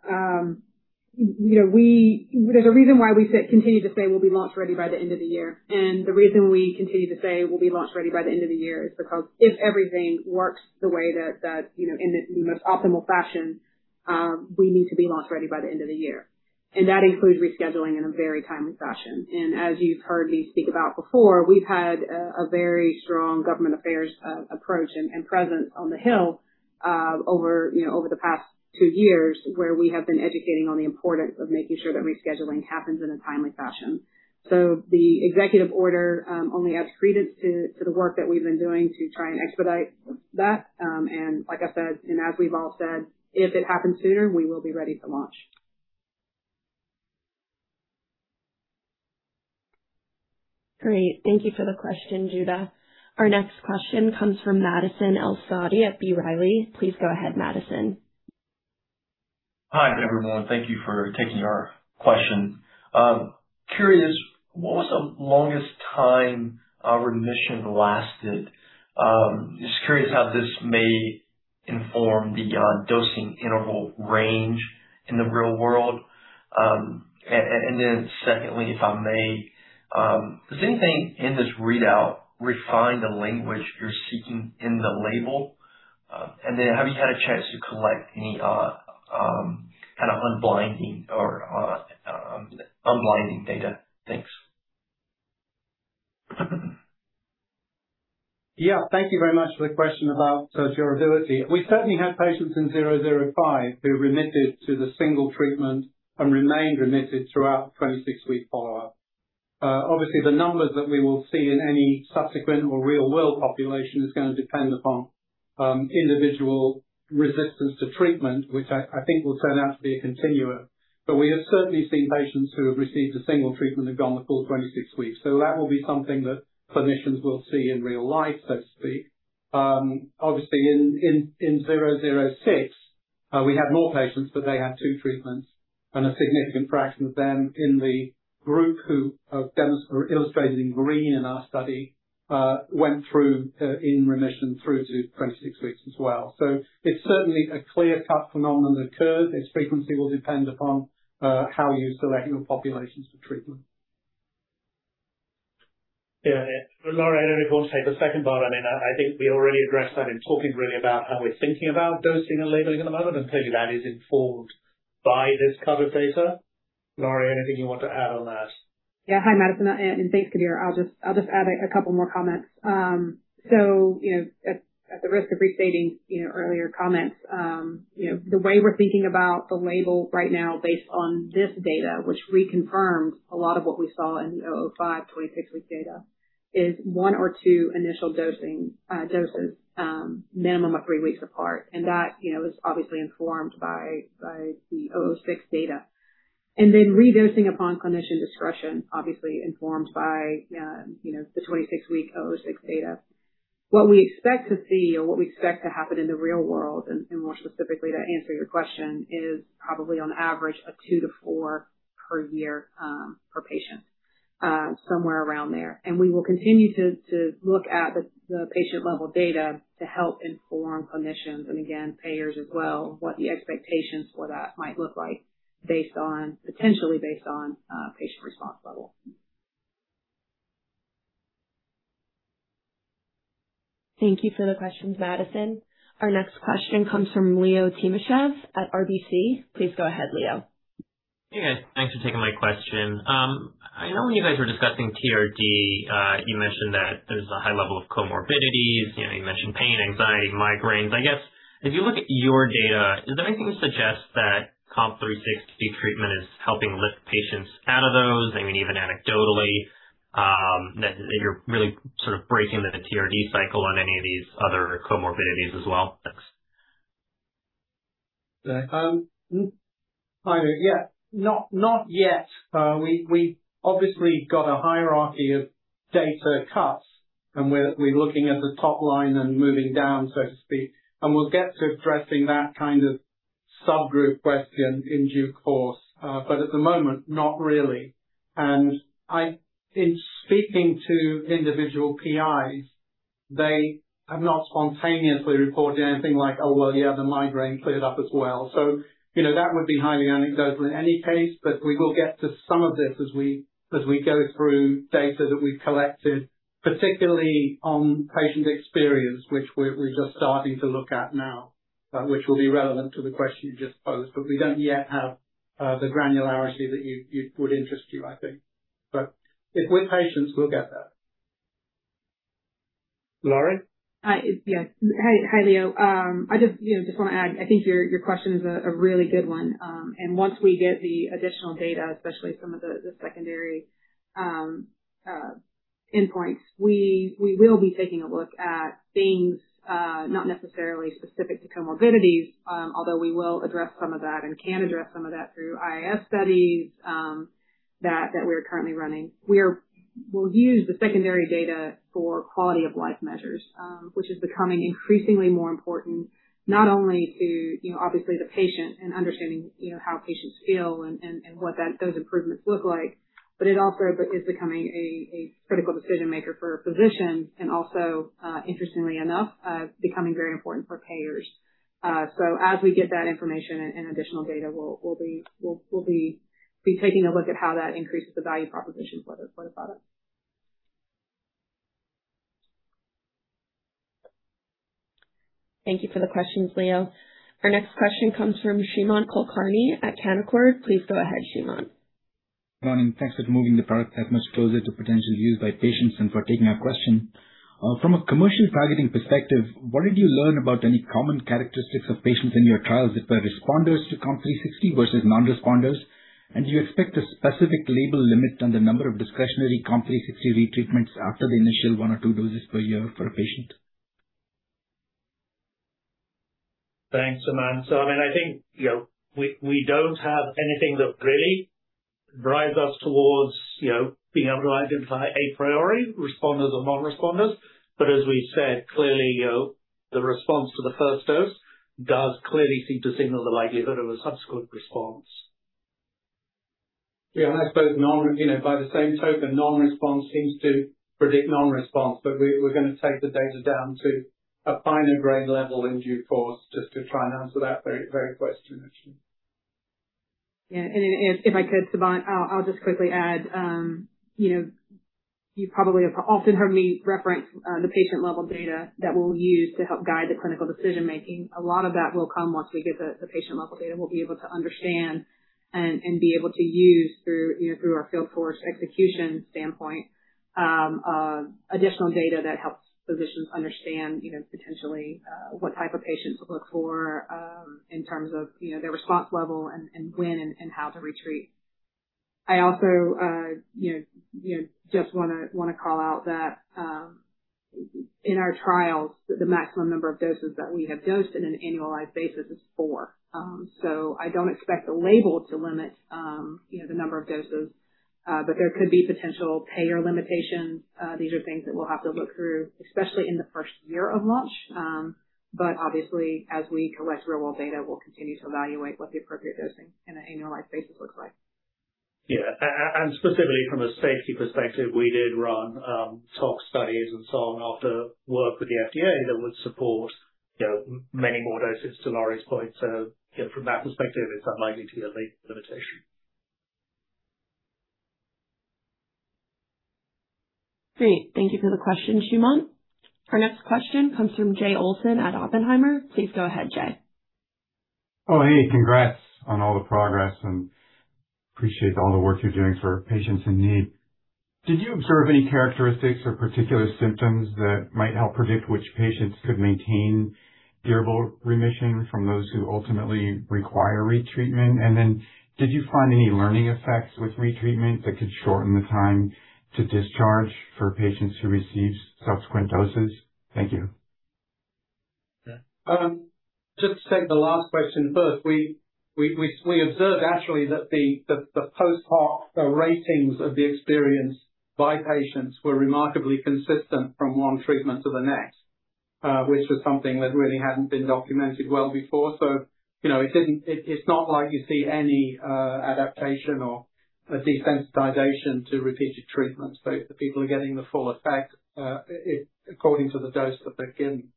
There's a reason why we continue to say we'll be launch-ready by the end of the year. The reason we continue to say we'll be launch-ready by the end of the year is because if everything works the way that in the most optimal fashion, we need to be launch-ready by the end of the year. That includes rescheduling in a very timely fashion. As you've heard me speak about before, we've had a very strong government affairs approach and presence on the Hill over the past two years, where we have been educating on the importance of making sure that rescheduling happens in a timely fashion. The executive order only adds credence to the work that we've been doing to try and expedite that. Like I said, and as we've all said, if it happens sooner, we will be ready to launch. Great. Thank you for the question, Judah. Our next question comes from Madison El-Saadi at B. Riley. Please go ahead, Madison. Hi, everyone. Thank you for taking our question. Curious, what was the longest time remission lasted? Just curious how this may inform the dosing interval range in the real world. Secondly, if I may, does anything in this readout refine the language you're seeking in the label? Have you had a chance to collect any unblinding data? Thanks. Yeah. Thank you very much for the question about durability. We certainly had patients in COMP005 who remitted to the single treatment and remained remitted throughout the 26-week follow-up. Obviously, the numbers that we will see in any subsequent or real-world population is going to depend upon individual resistance to treatment, which I think will turn out to be a continuum. We have certainly seen patients who have received a single treatment and gone the full 26 weeks. That will be something that clinicians will see in real life, so to speak. Obviously in COMP006, we had more patients, but they had two treatments, and a significant fraction of them in the group who are illustrated in green in our study went through in remission through to 26 weeks as well. It's certainly a clear-cut phenomenon that occurs. Its frequency will depend upon how you select your populations for treatment. Yeah. Lori, anything you want to say? The second part, I think we already addressed that in talking really about how we're thinking about dosing and labeling at the moment. Clearly that is informed by this covered data. Lori, anything you want to add on that? Hi, Madison, and thanks, Kabir. I'll just add a couple more comments. At the risk of restating earlier comments, the way we're thinking about the label right now based on this data, which reconfirms a lot of what we saw in the COMP005 26-week data, is one or two initial doses, minimum of three weeks apart. That was obviously informed by the COMP006 data. Then redosing upon clinician discretion, obviously informed by the 26-week COMP006 data. What we expect to see or what we expect to happen in the real world, more specifically to answer your question, is probably on average a two to four per year per patient, somewhere around there. We will continue to look at the patient-level data to help inform clinicians and again, payers as well, what the expectations for that might look like potentially based on patient response level. Thank you for the questions, Madison. Our next question comes from Leo Timashev at RBC Capital Markets. Please go ahead, Leo. Hey, guys. Thanks for taking my question. I know when you guys were discussing TRD, you mentioned that there's a high level of comorbidities. You mentioned pain, anxiety, migraines. I guess if you look at your data, does anything suggest that COMP360 treatment is helping lift patients out of those? I mean, even anecdotally, that you're really sort of breaking the TRD cycle on any of these other comorbidities as well? Thanks. Hi. Yeah. Not yet. We obviously got a hierarchy of data cuts, we're looking at the top line and moving down, so to speak. We'll get to addressing that kind of subgroup question in due course. At the moment, not really. In speaking to individual PIs, they have not spontaneously reported anything like, "Oh, well, yeah, the migraine cleared up as well." That would be highly anecdotal in any case, but we will get to some of this as we go through data that we've collected, particularly on patient experience, which we're just starting to look at now, which will be relevant to the question you just posed. We don't yet have the granularity that would interest you, I think. If we're patient, we'll get there. Lori? Hi. Yes. Hi, Leo. I just want to add, I think your question is a really good one. Once we get the additional data, especially some of the secondary endpoints, we will be taking a look at things not necessarily specific to comorbidities, although we will address some of that and can address some of that through IIS studies that we are currently running. We'll use the secondary data for quality-of-life measures, which is becoming increasingly more important not only to obviously the patient and understanding how patients feel and what those improvements look like, it also is becoming a critical decision-maker for physicians and also, interestingly enough, becoming very important for payers. As we get that information and additional data, we'll be taking a look at how that increases the value proposition for the product. Thank you for the questions, Leo. Our next question comes from Sumant Kulkarni at Canaccord. Please go ahead, Sumant. Morning. Thanks for moving the product that much closer to potential use by patients and for taking our question. From a commercial targeting perspective, what did you learn about any common characteristics of patients in your trials that were responders to COMP360 versus non-responders? Do you expect a specific label limit on the number of discretionary COMP360 retreatment after the initial one or two doses per year per patient? Thanks, Sumant. I think we don't have anything that really drives us towards being able to identify a priori responders or non-responders. As we've said, the response to the first dose does clearly seem to signal the likelihood of a subsequent response. I suppose by the same token, non-response seems to predict non-response. We're going to take the data down to a finer grain level in due course just to try and answer that very question. If I could, Sumant, I'll just quickly add. You probably have often heard me reference the patient-level data that we'll use to help guide the clinical decision-making. A lot of that will come once we get the patient-level data. We'll be able to understand and be able to use through our field force execution standpoint, additional data that helps physicians understand potentially what type of patients to look for in terms of their response level and when and how to retreat. I also just want to call out that in our trials, the maximum number of doses that we have dosed in an annualized basis is four. I don't expect the label to limit the number of doses. There could be potential payer limitations. These are things that we'll have to look through, especially in the first year of launch. As we collect real-world data, we'll continue to evaluate what the appropriate dosing on an annualized basis looks like. Yeah. Specifically from a safety perspective, we did run tox studies and so on after work with the FDA that would support many more doses to Lori's point. From that perspective, it's unlikely to be a label limitation. Great. Thank you for the question, Sumant. Our next question comes from Jay Olson at Oppenheimer. Please go ahead, Jay. Oh, hey. Congrats on all the progress and appreciate all the work you're doing for patients in need. Did you observe any characteristics or particular symptoms that might help predict which patients could maintain durable remission from those who ultimately require retreatment? Did you find any learning effects with retreatment that could shorten the time to discharge for patients who received subsequent doses? Thank you. Just to take the last question first, we observed actually that the post-hoc ratings of the experience by patients were remarkably consistent from one treatment to the next, which was something that really hadn't been documented well before. It's not like you see any adaptation or a desensitization to repeated treatment. People are getting the full effect according to the dose that they're given.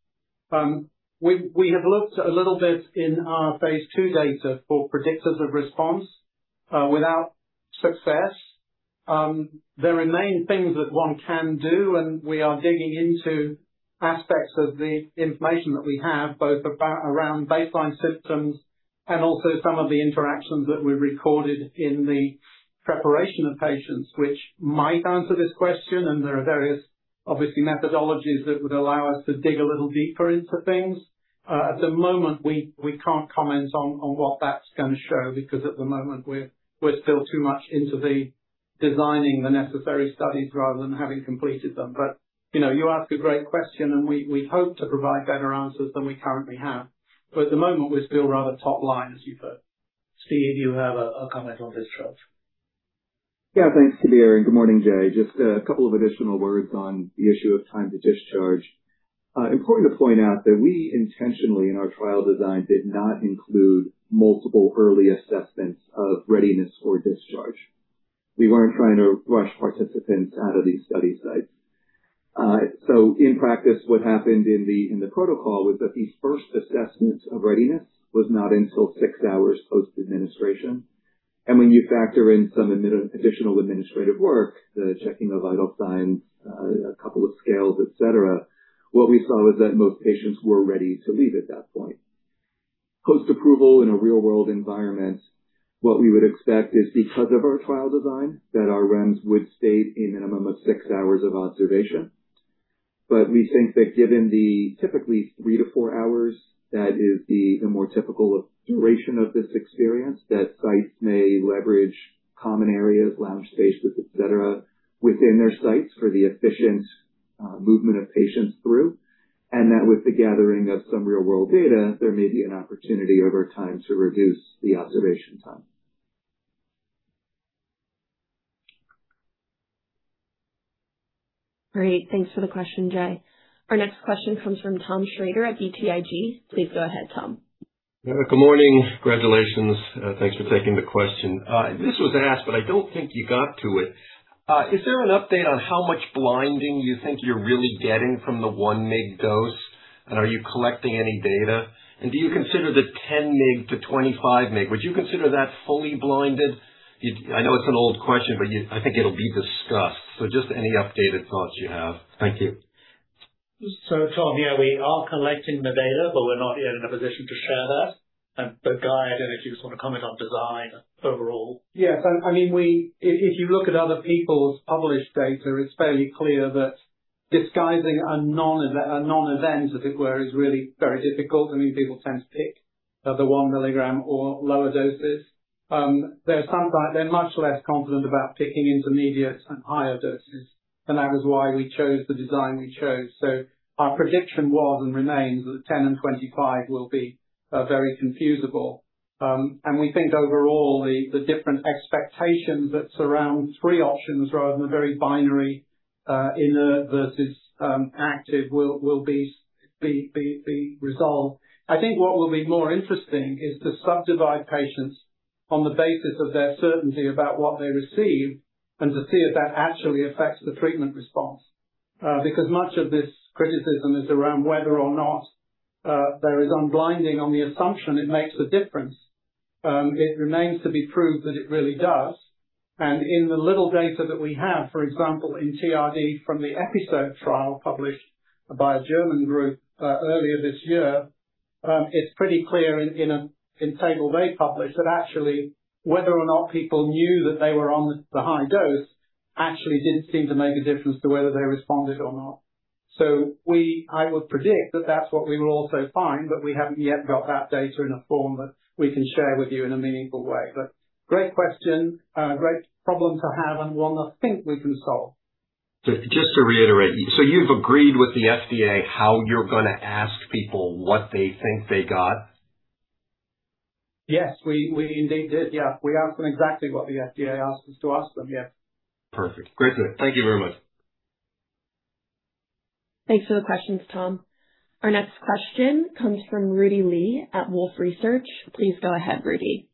We have looked a little bit in our phase II data for predictors of response without success. There remain things that one can do, and we are digging into aspects of the information that we have, both around baseline symptoms and also some of the interactions that we recorded in the preparation of patients, which might answer this question. There are various, obviously, methodologies that would allow us to dig a little deeper into things. At the moment, we can't comment on what that's going to show because at the moment we're still too much into the designing the necessary studies rather than having completed them. You ask a great question, and we hope to provide better answers than we currently have. At the moment, we're still rather top line as you put. Steve, do you have a comment on discharge? Yeah. Thanks, Kabir, and good morning, Jay. Just a couple of additional words on the issue of time to discharge. Important to point out that we intentionally in our trial design did not include multiple early assessments of readiness for discharge. We weren't trying to rush participants out of these study sites. In practice, what happened in the protocol was that these first assessments of readiness was not until 6 hours post-administration. When you factor in some additional administrative work, the checking of vital signs, a couple of scales, et cetera, what we saw was that most patients were ready to leave at that point. Post-approval in a real world environment, what we would expect is because of our trial design, that our REMS would state a minimum of six hours of observation. We think that given the typically three to four hours, that is the more typical duration of this experience, that sites may leverage common areas, lounge spaces, et cetera, within their sites for the efficient movement of patients through. That with the gathering of some real world data, there may be an opportunity over time to reduce the observation time. Great. Thanks for the question, Jay. Our next question comes from Tom Shrader at BTIG. Please go ahead, Tom. Good morning. Congratulations. Thanks for taking the question. This was asked, but I don't think you got to it. Is there an update on how much blinding you think you're really getting from the 1 mg dose? Are you collecting any data? Do you consider the 10 mg to 25 mg, would you consider that fully blinded? I know it's an old question, but I think it'll be discussed. Just any updated thoughts you have. Thank you. Tom, yeah, we are collecting the data, but we're not yet in a position to share that. Guy, I don't know if you just want to comment on design overall. Yes. If you look at other people's published data, it's fairly clear that disguising a non-event, if it were, is really very difficult. People tend to pick the 1 mg or lower doses. They're much less confident about picking intermediate and higher doses, and that was why we chose the design we chose. Our prediction was and remains that the 10 mg and 25 mg will be very confusable. We think overall, the different expectations that surround three options rather than the very binary, inert versus active will be resolved. I think what will be more interesting is to subdivide patients on the basis of their certainty about what they receive and to see if that actually affects the treatment response. Because much of this criticism is around whether or not there is unblinding on the assumption it makes a difference. It remains to be proved that it really does. In the little data that we have, for example, in TRD from the EPIsoDE trial published by a German group earlier this year, it's pretty clear in table they published that actually, whether or not people knew that they were on the high dose actually didn't seem to make a difference to whether they responded or not. I would predict that that's what we will also find, but we haven't yet got that data in a form that we can share with you in a meaningful way. Great question, great problem to have, and one I think we can solve. Just to reiterate, so you've agreed with the FDA how you're going to ask people what they think they got? Yes. We indeed did. Yeah. We asked them exactly what the FDA asked us to ask them. Yeah. Perfect. Great. Thank you very much. Thanks for the questions, Tom. Our next question comes from Rudy Li at Wolfe Research. Please go ahead, Rudy.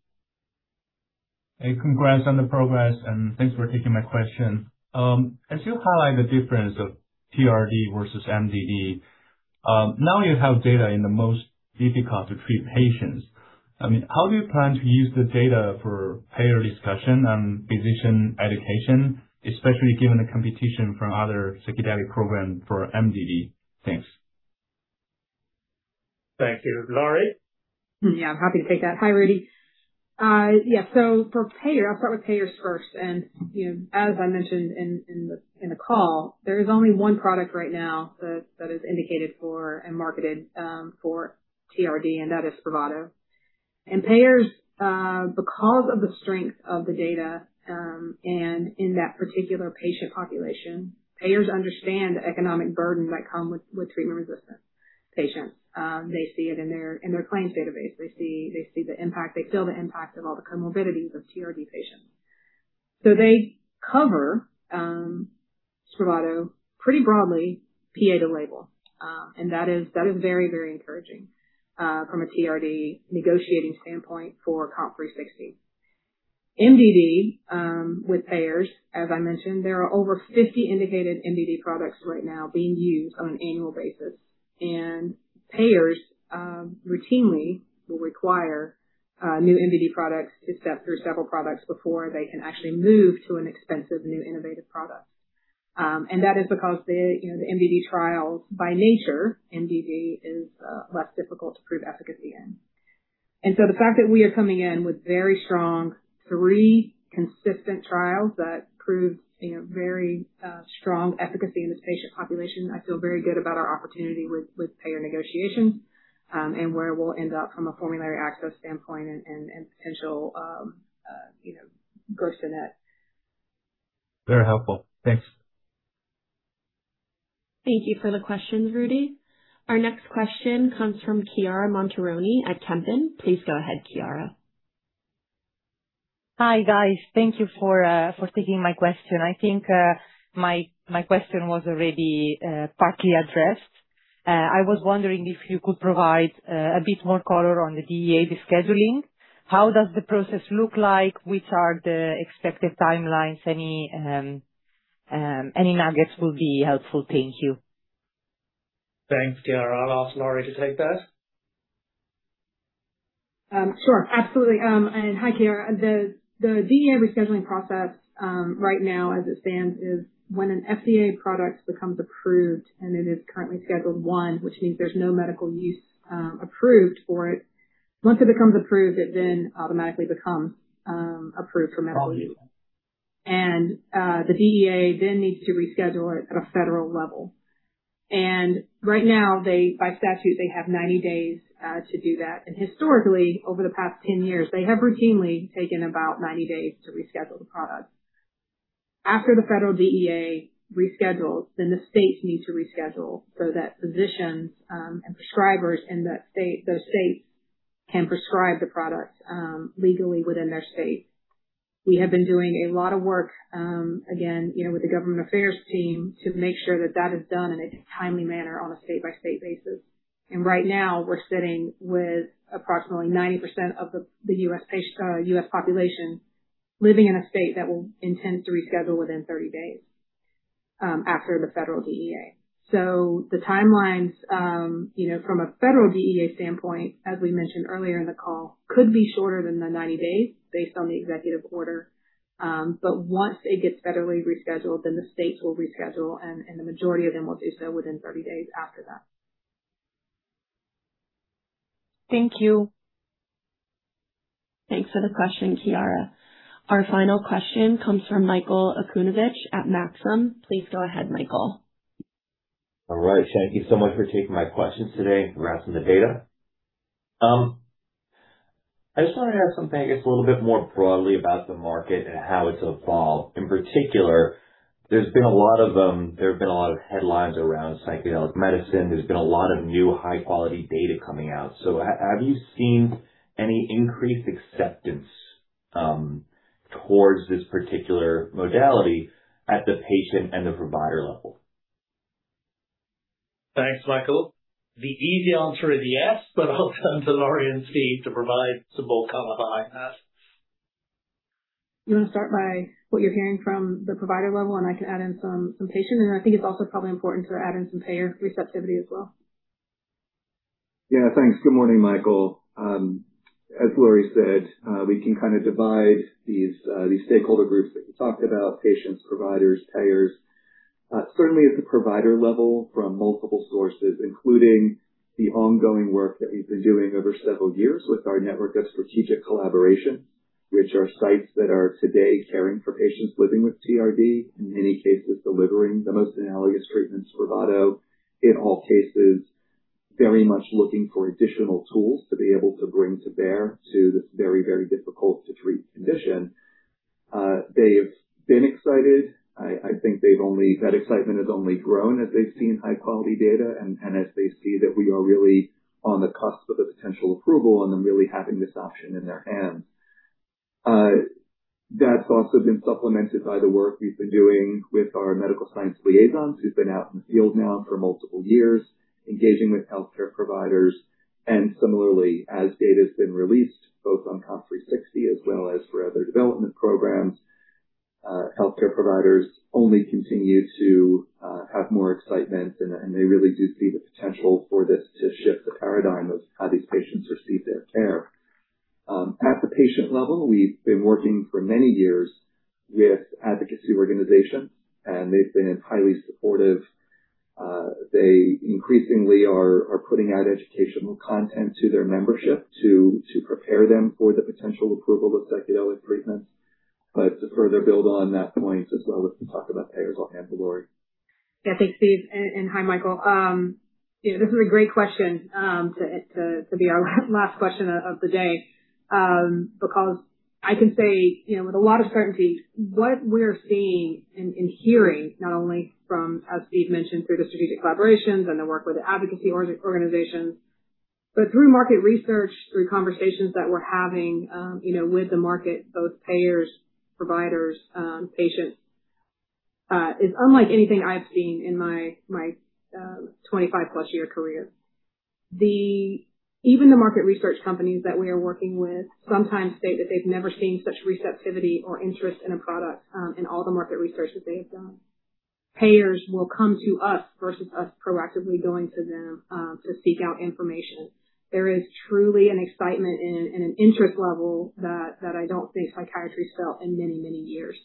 Hey, congrats on the progress, and thanks for taking my question. As you highlight the difference of TRD versus MDD, now you have data in the most difficult to treat patients. How do you plan to use the data for payer discussion and physician education, especially given the competition from other psychedelic program for MDD? Thanks. Thank you. Lori? Yeah, I'm happy to take that. Hi, Rudy. Yeah. I'll start with payers first, and as I mentioned in the call, there is only one product right now that is indicated for and marketed for TRD, and that is Spravato. Payers, because of the strength of the data, and in that particular patient population, payers understand the economic burden that come with treatment-resistant patients. They see it in their claims database. They see the impact, they feel the impact of all the comorbidities of TRD patients. They cover Spravato pretty broadly, PA to label. That is very encouraging, from a TRD negotiating standpoint for COMP360. MDD, with payers, as I mentioned, there are over 50 indicated MDD products right now being used on an annual basis. Payers routinely will require new MDD products to step through several products before they can actually move to an expensive new innovative product. That is because the MDD trials, by nature, MDD is less difficult to prove efficacy in. The fact that we are coming in with very strong three consistent trials that prove very strong efficacy in this patient population, I feel very good about our opportunity with payer negotiations, and where we'll end up from a formulary access standpoint and potential gross to net. Very helpful. Thanks. Thank you for the questions, Rudy. Our next question comes from Chiara Montironi at Van Lanschot Kempen. Please go ahead, Chiara. Hi, guys. Thank you for taking my question. I think my question was already partly addressed. I was wondering if you could provide a bit more color on the DEA descheduling. How does the process look like? Which are the expected timelines? Any nuggets will be helpful. Thank you. Thanks, Chiara. I'll ask Lori to take that. Sure, absolutely. Hi, Chiara. The DEA rescheduling process right now as it stands is when an FDA product becomes approved and it is currently Schedule I, which means there's no medical use approved for it. Once it becomes approved, it then automatically becomes approved for medical use. The DEA then needs to reschedule it at a federal level. Right now, by statute, they have 90 days to do that. Historically, over the past 10 years, they have routinely taken about 90 days to reschedule the product. After the federal DEA reschedules, then the states need to reschedule so that physicians and prescribers in those states can prescribe the product legally within their state. We have been doing a lot of work, again, with the government affairs team to make sure that that is done in a timely manner on a state-by-state basis. Right now we're sitting with approximately 90% of the U.S. population living in a state that will intend to reschedule within 30 days after the federal DEA. The timelines from a federal DEA standpoint, as we mentioned earlier in the call, could be shorter than the 90 days based on the executive order. Once it gets federally rescheduled, then the states will reschedule, and the majority of them will do so within 30 days after that. Thank you. Thanks for the question, Chiara. Our final question comes from Michael Okunewitch at Maxim. Please go ahead, Michael. All right. Thank you so much for taking my questions today and for answering the data. I just want to hear something, I guess, a little bit more broadly about the market and how it's evolved. In particular, there have been a lot of headlines around psychedelic medicine. There's been a lot of new high-quality data coming out. Have you seen any increased acceptance towards this particular modality at the patient and the provider level? Thanks, Michael. The easy answer is yes. I'll turn to Lori and Steve to provide some bulk color behind that. You want to start by what you're hearing from the provider level, I can add in some patient, I think it's also probably important to add in some payer receptivity as well. Yeah, thanks. Good morning, Michael. As Lori said, we can divide these stakeholder groups that you talked about, patients, providers, payers. Certainly at the provider level from multiple sources, including the ongoing work that we've been doing over several years with our network of strategic collaborations, which are sites that are today caring for patients living with TRD, in many cases delivering the most analogous treatment, Spravato. In all cases, very much looking for additional tools to be able to bring to bear to this very difficult to treat condition. They've been excited. I think that excitement has only grown as they've seen high quality data as they see that we are really on the cusp of a potential approval them really having this option in their hands. That's also been supplemented by the work we've been doing with our medical science liaisons, who've been out in the field now for multiple years engaging with healthcare providers. Similarly, as data has been released both on COMP360 as well as for other development programs, healthcare providers only continue to have more excitement, they really do see the potential for this to shift the paradigm of how these patients receive their care. At the patient level, we've been working for many years with advocacy organizations, they've been entirely supportive. They increasingly are putting out educational content to their membership to prepare them for the potential approval of psychedelic treatments. To further build on that point as well as to talk about payers, I'll hand to Lori. Yeah. Thanks, Steve. Hi, Michael. This is a great question to be our last question of the day, because I can say with a lot of certainty what we're seeing hearing, not only from, as Steve mentioned, through the strategic collaborations the work with advocacy organizations, but through market research, through conversations that we're having with the market, both payers, providers, patients, is unlike anything I've seen in my 25 plus year career. Even the market research companies that we are working with sometimes say that they've never seen such receptivity or interest in a product in all the market research that they have done. Payers will come to us versus us proactively going to them to seek out information. There is truly an excitement an interest level that I don't think psychiatry's felt in many, many years.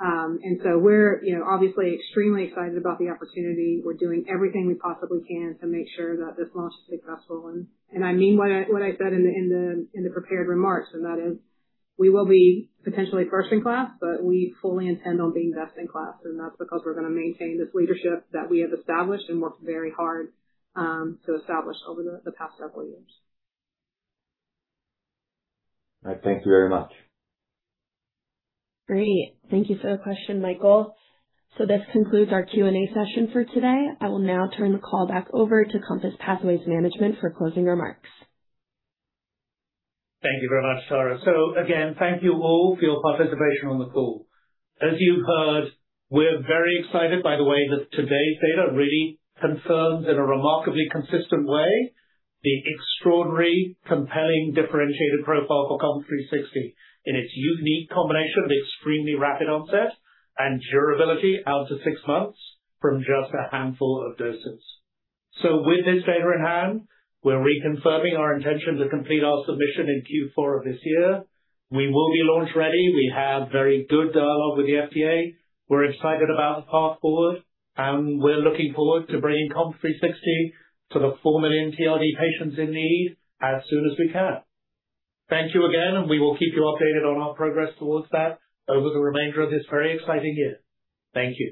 We're obviously extremely excited about the opportunity. We're doing everything we possibly can to make sure that this launch is successful. I mean what I said in the prepared remarks, and that is we will be potentially first in class, but we fully intend on being best in class, and that's because we're going to maintain this leadership that we have established and worked very hard to establish over the past several years. All right. Thank you very much. Great. Thank you for the question, Michael. This concludes our Q&A session for today. I will now turn the call back over to COMPASS Pathways management for closing remarks. Thank you very much, Tara. Again, thank you all for your participation on the call. As you've heard, we're very excited by the way that today's data really confirms, in a remarkably consistent way, the extraordinary, compelling, differentiated profile for COMP360 in its unique combination of extremely rapid onset and durability out to six months from just a handful of doses. With this data in hand, we're reconfirming our intention to complete our submission in Q4 of this year. We will be launch-ready. We have very good dialogue with the FDA. We're excited about the path forward, and we're looking forward to bringing COMP360 to the four million TRD patients in need as soon as we can. Thank you again, and we will keep you updated on our progress towards that over the remainder of this very exciting year. Thank you.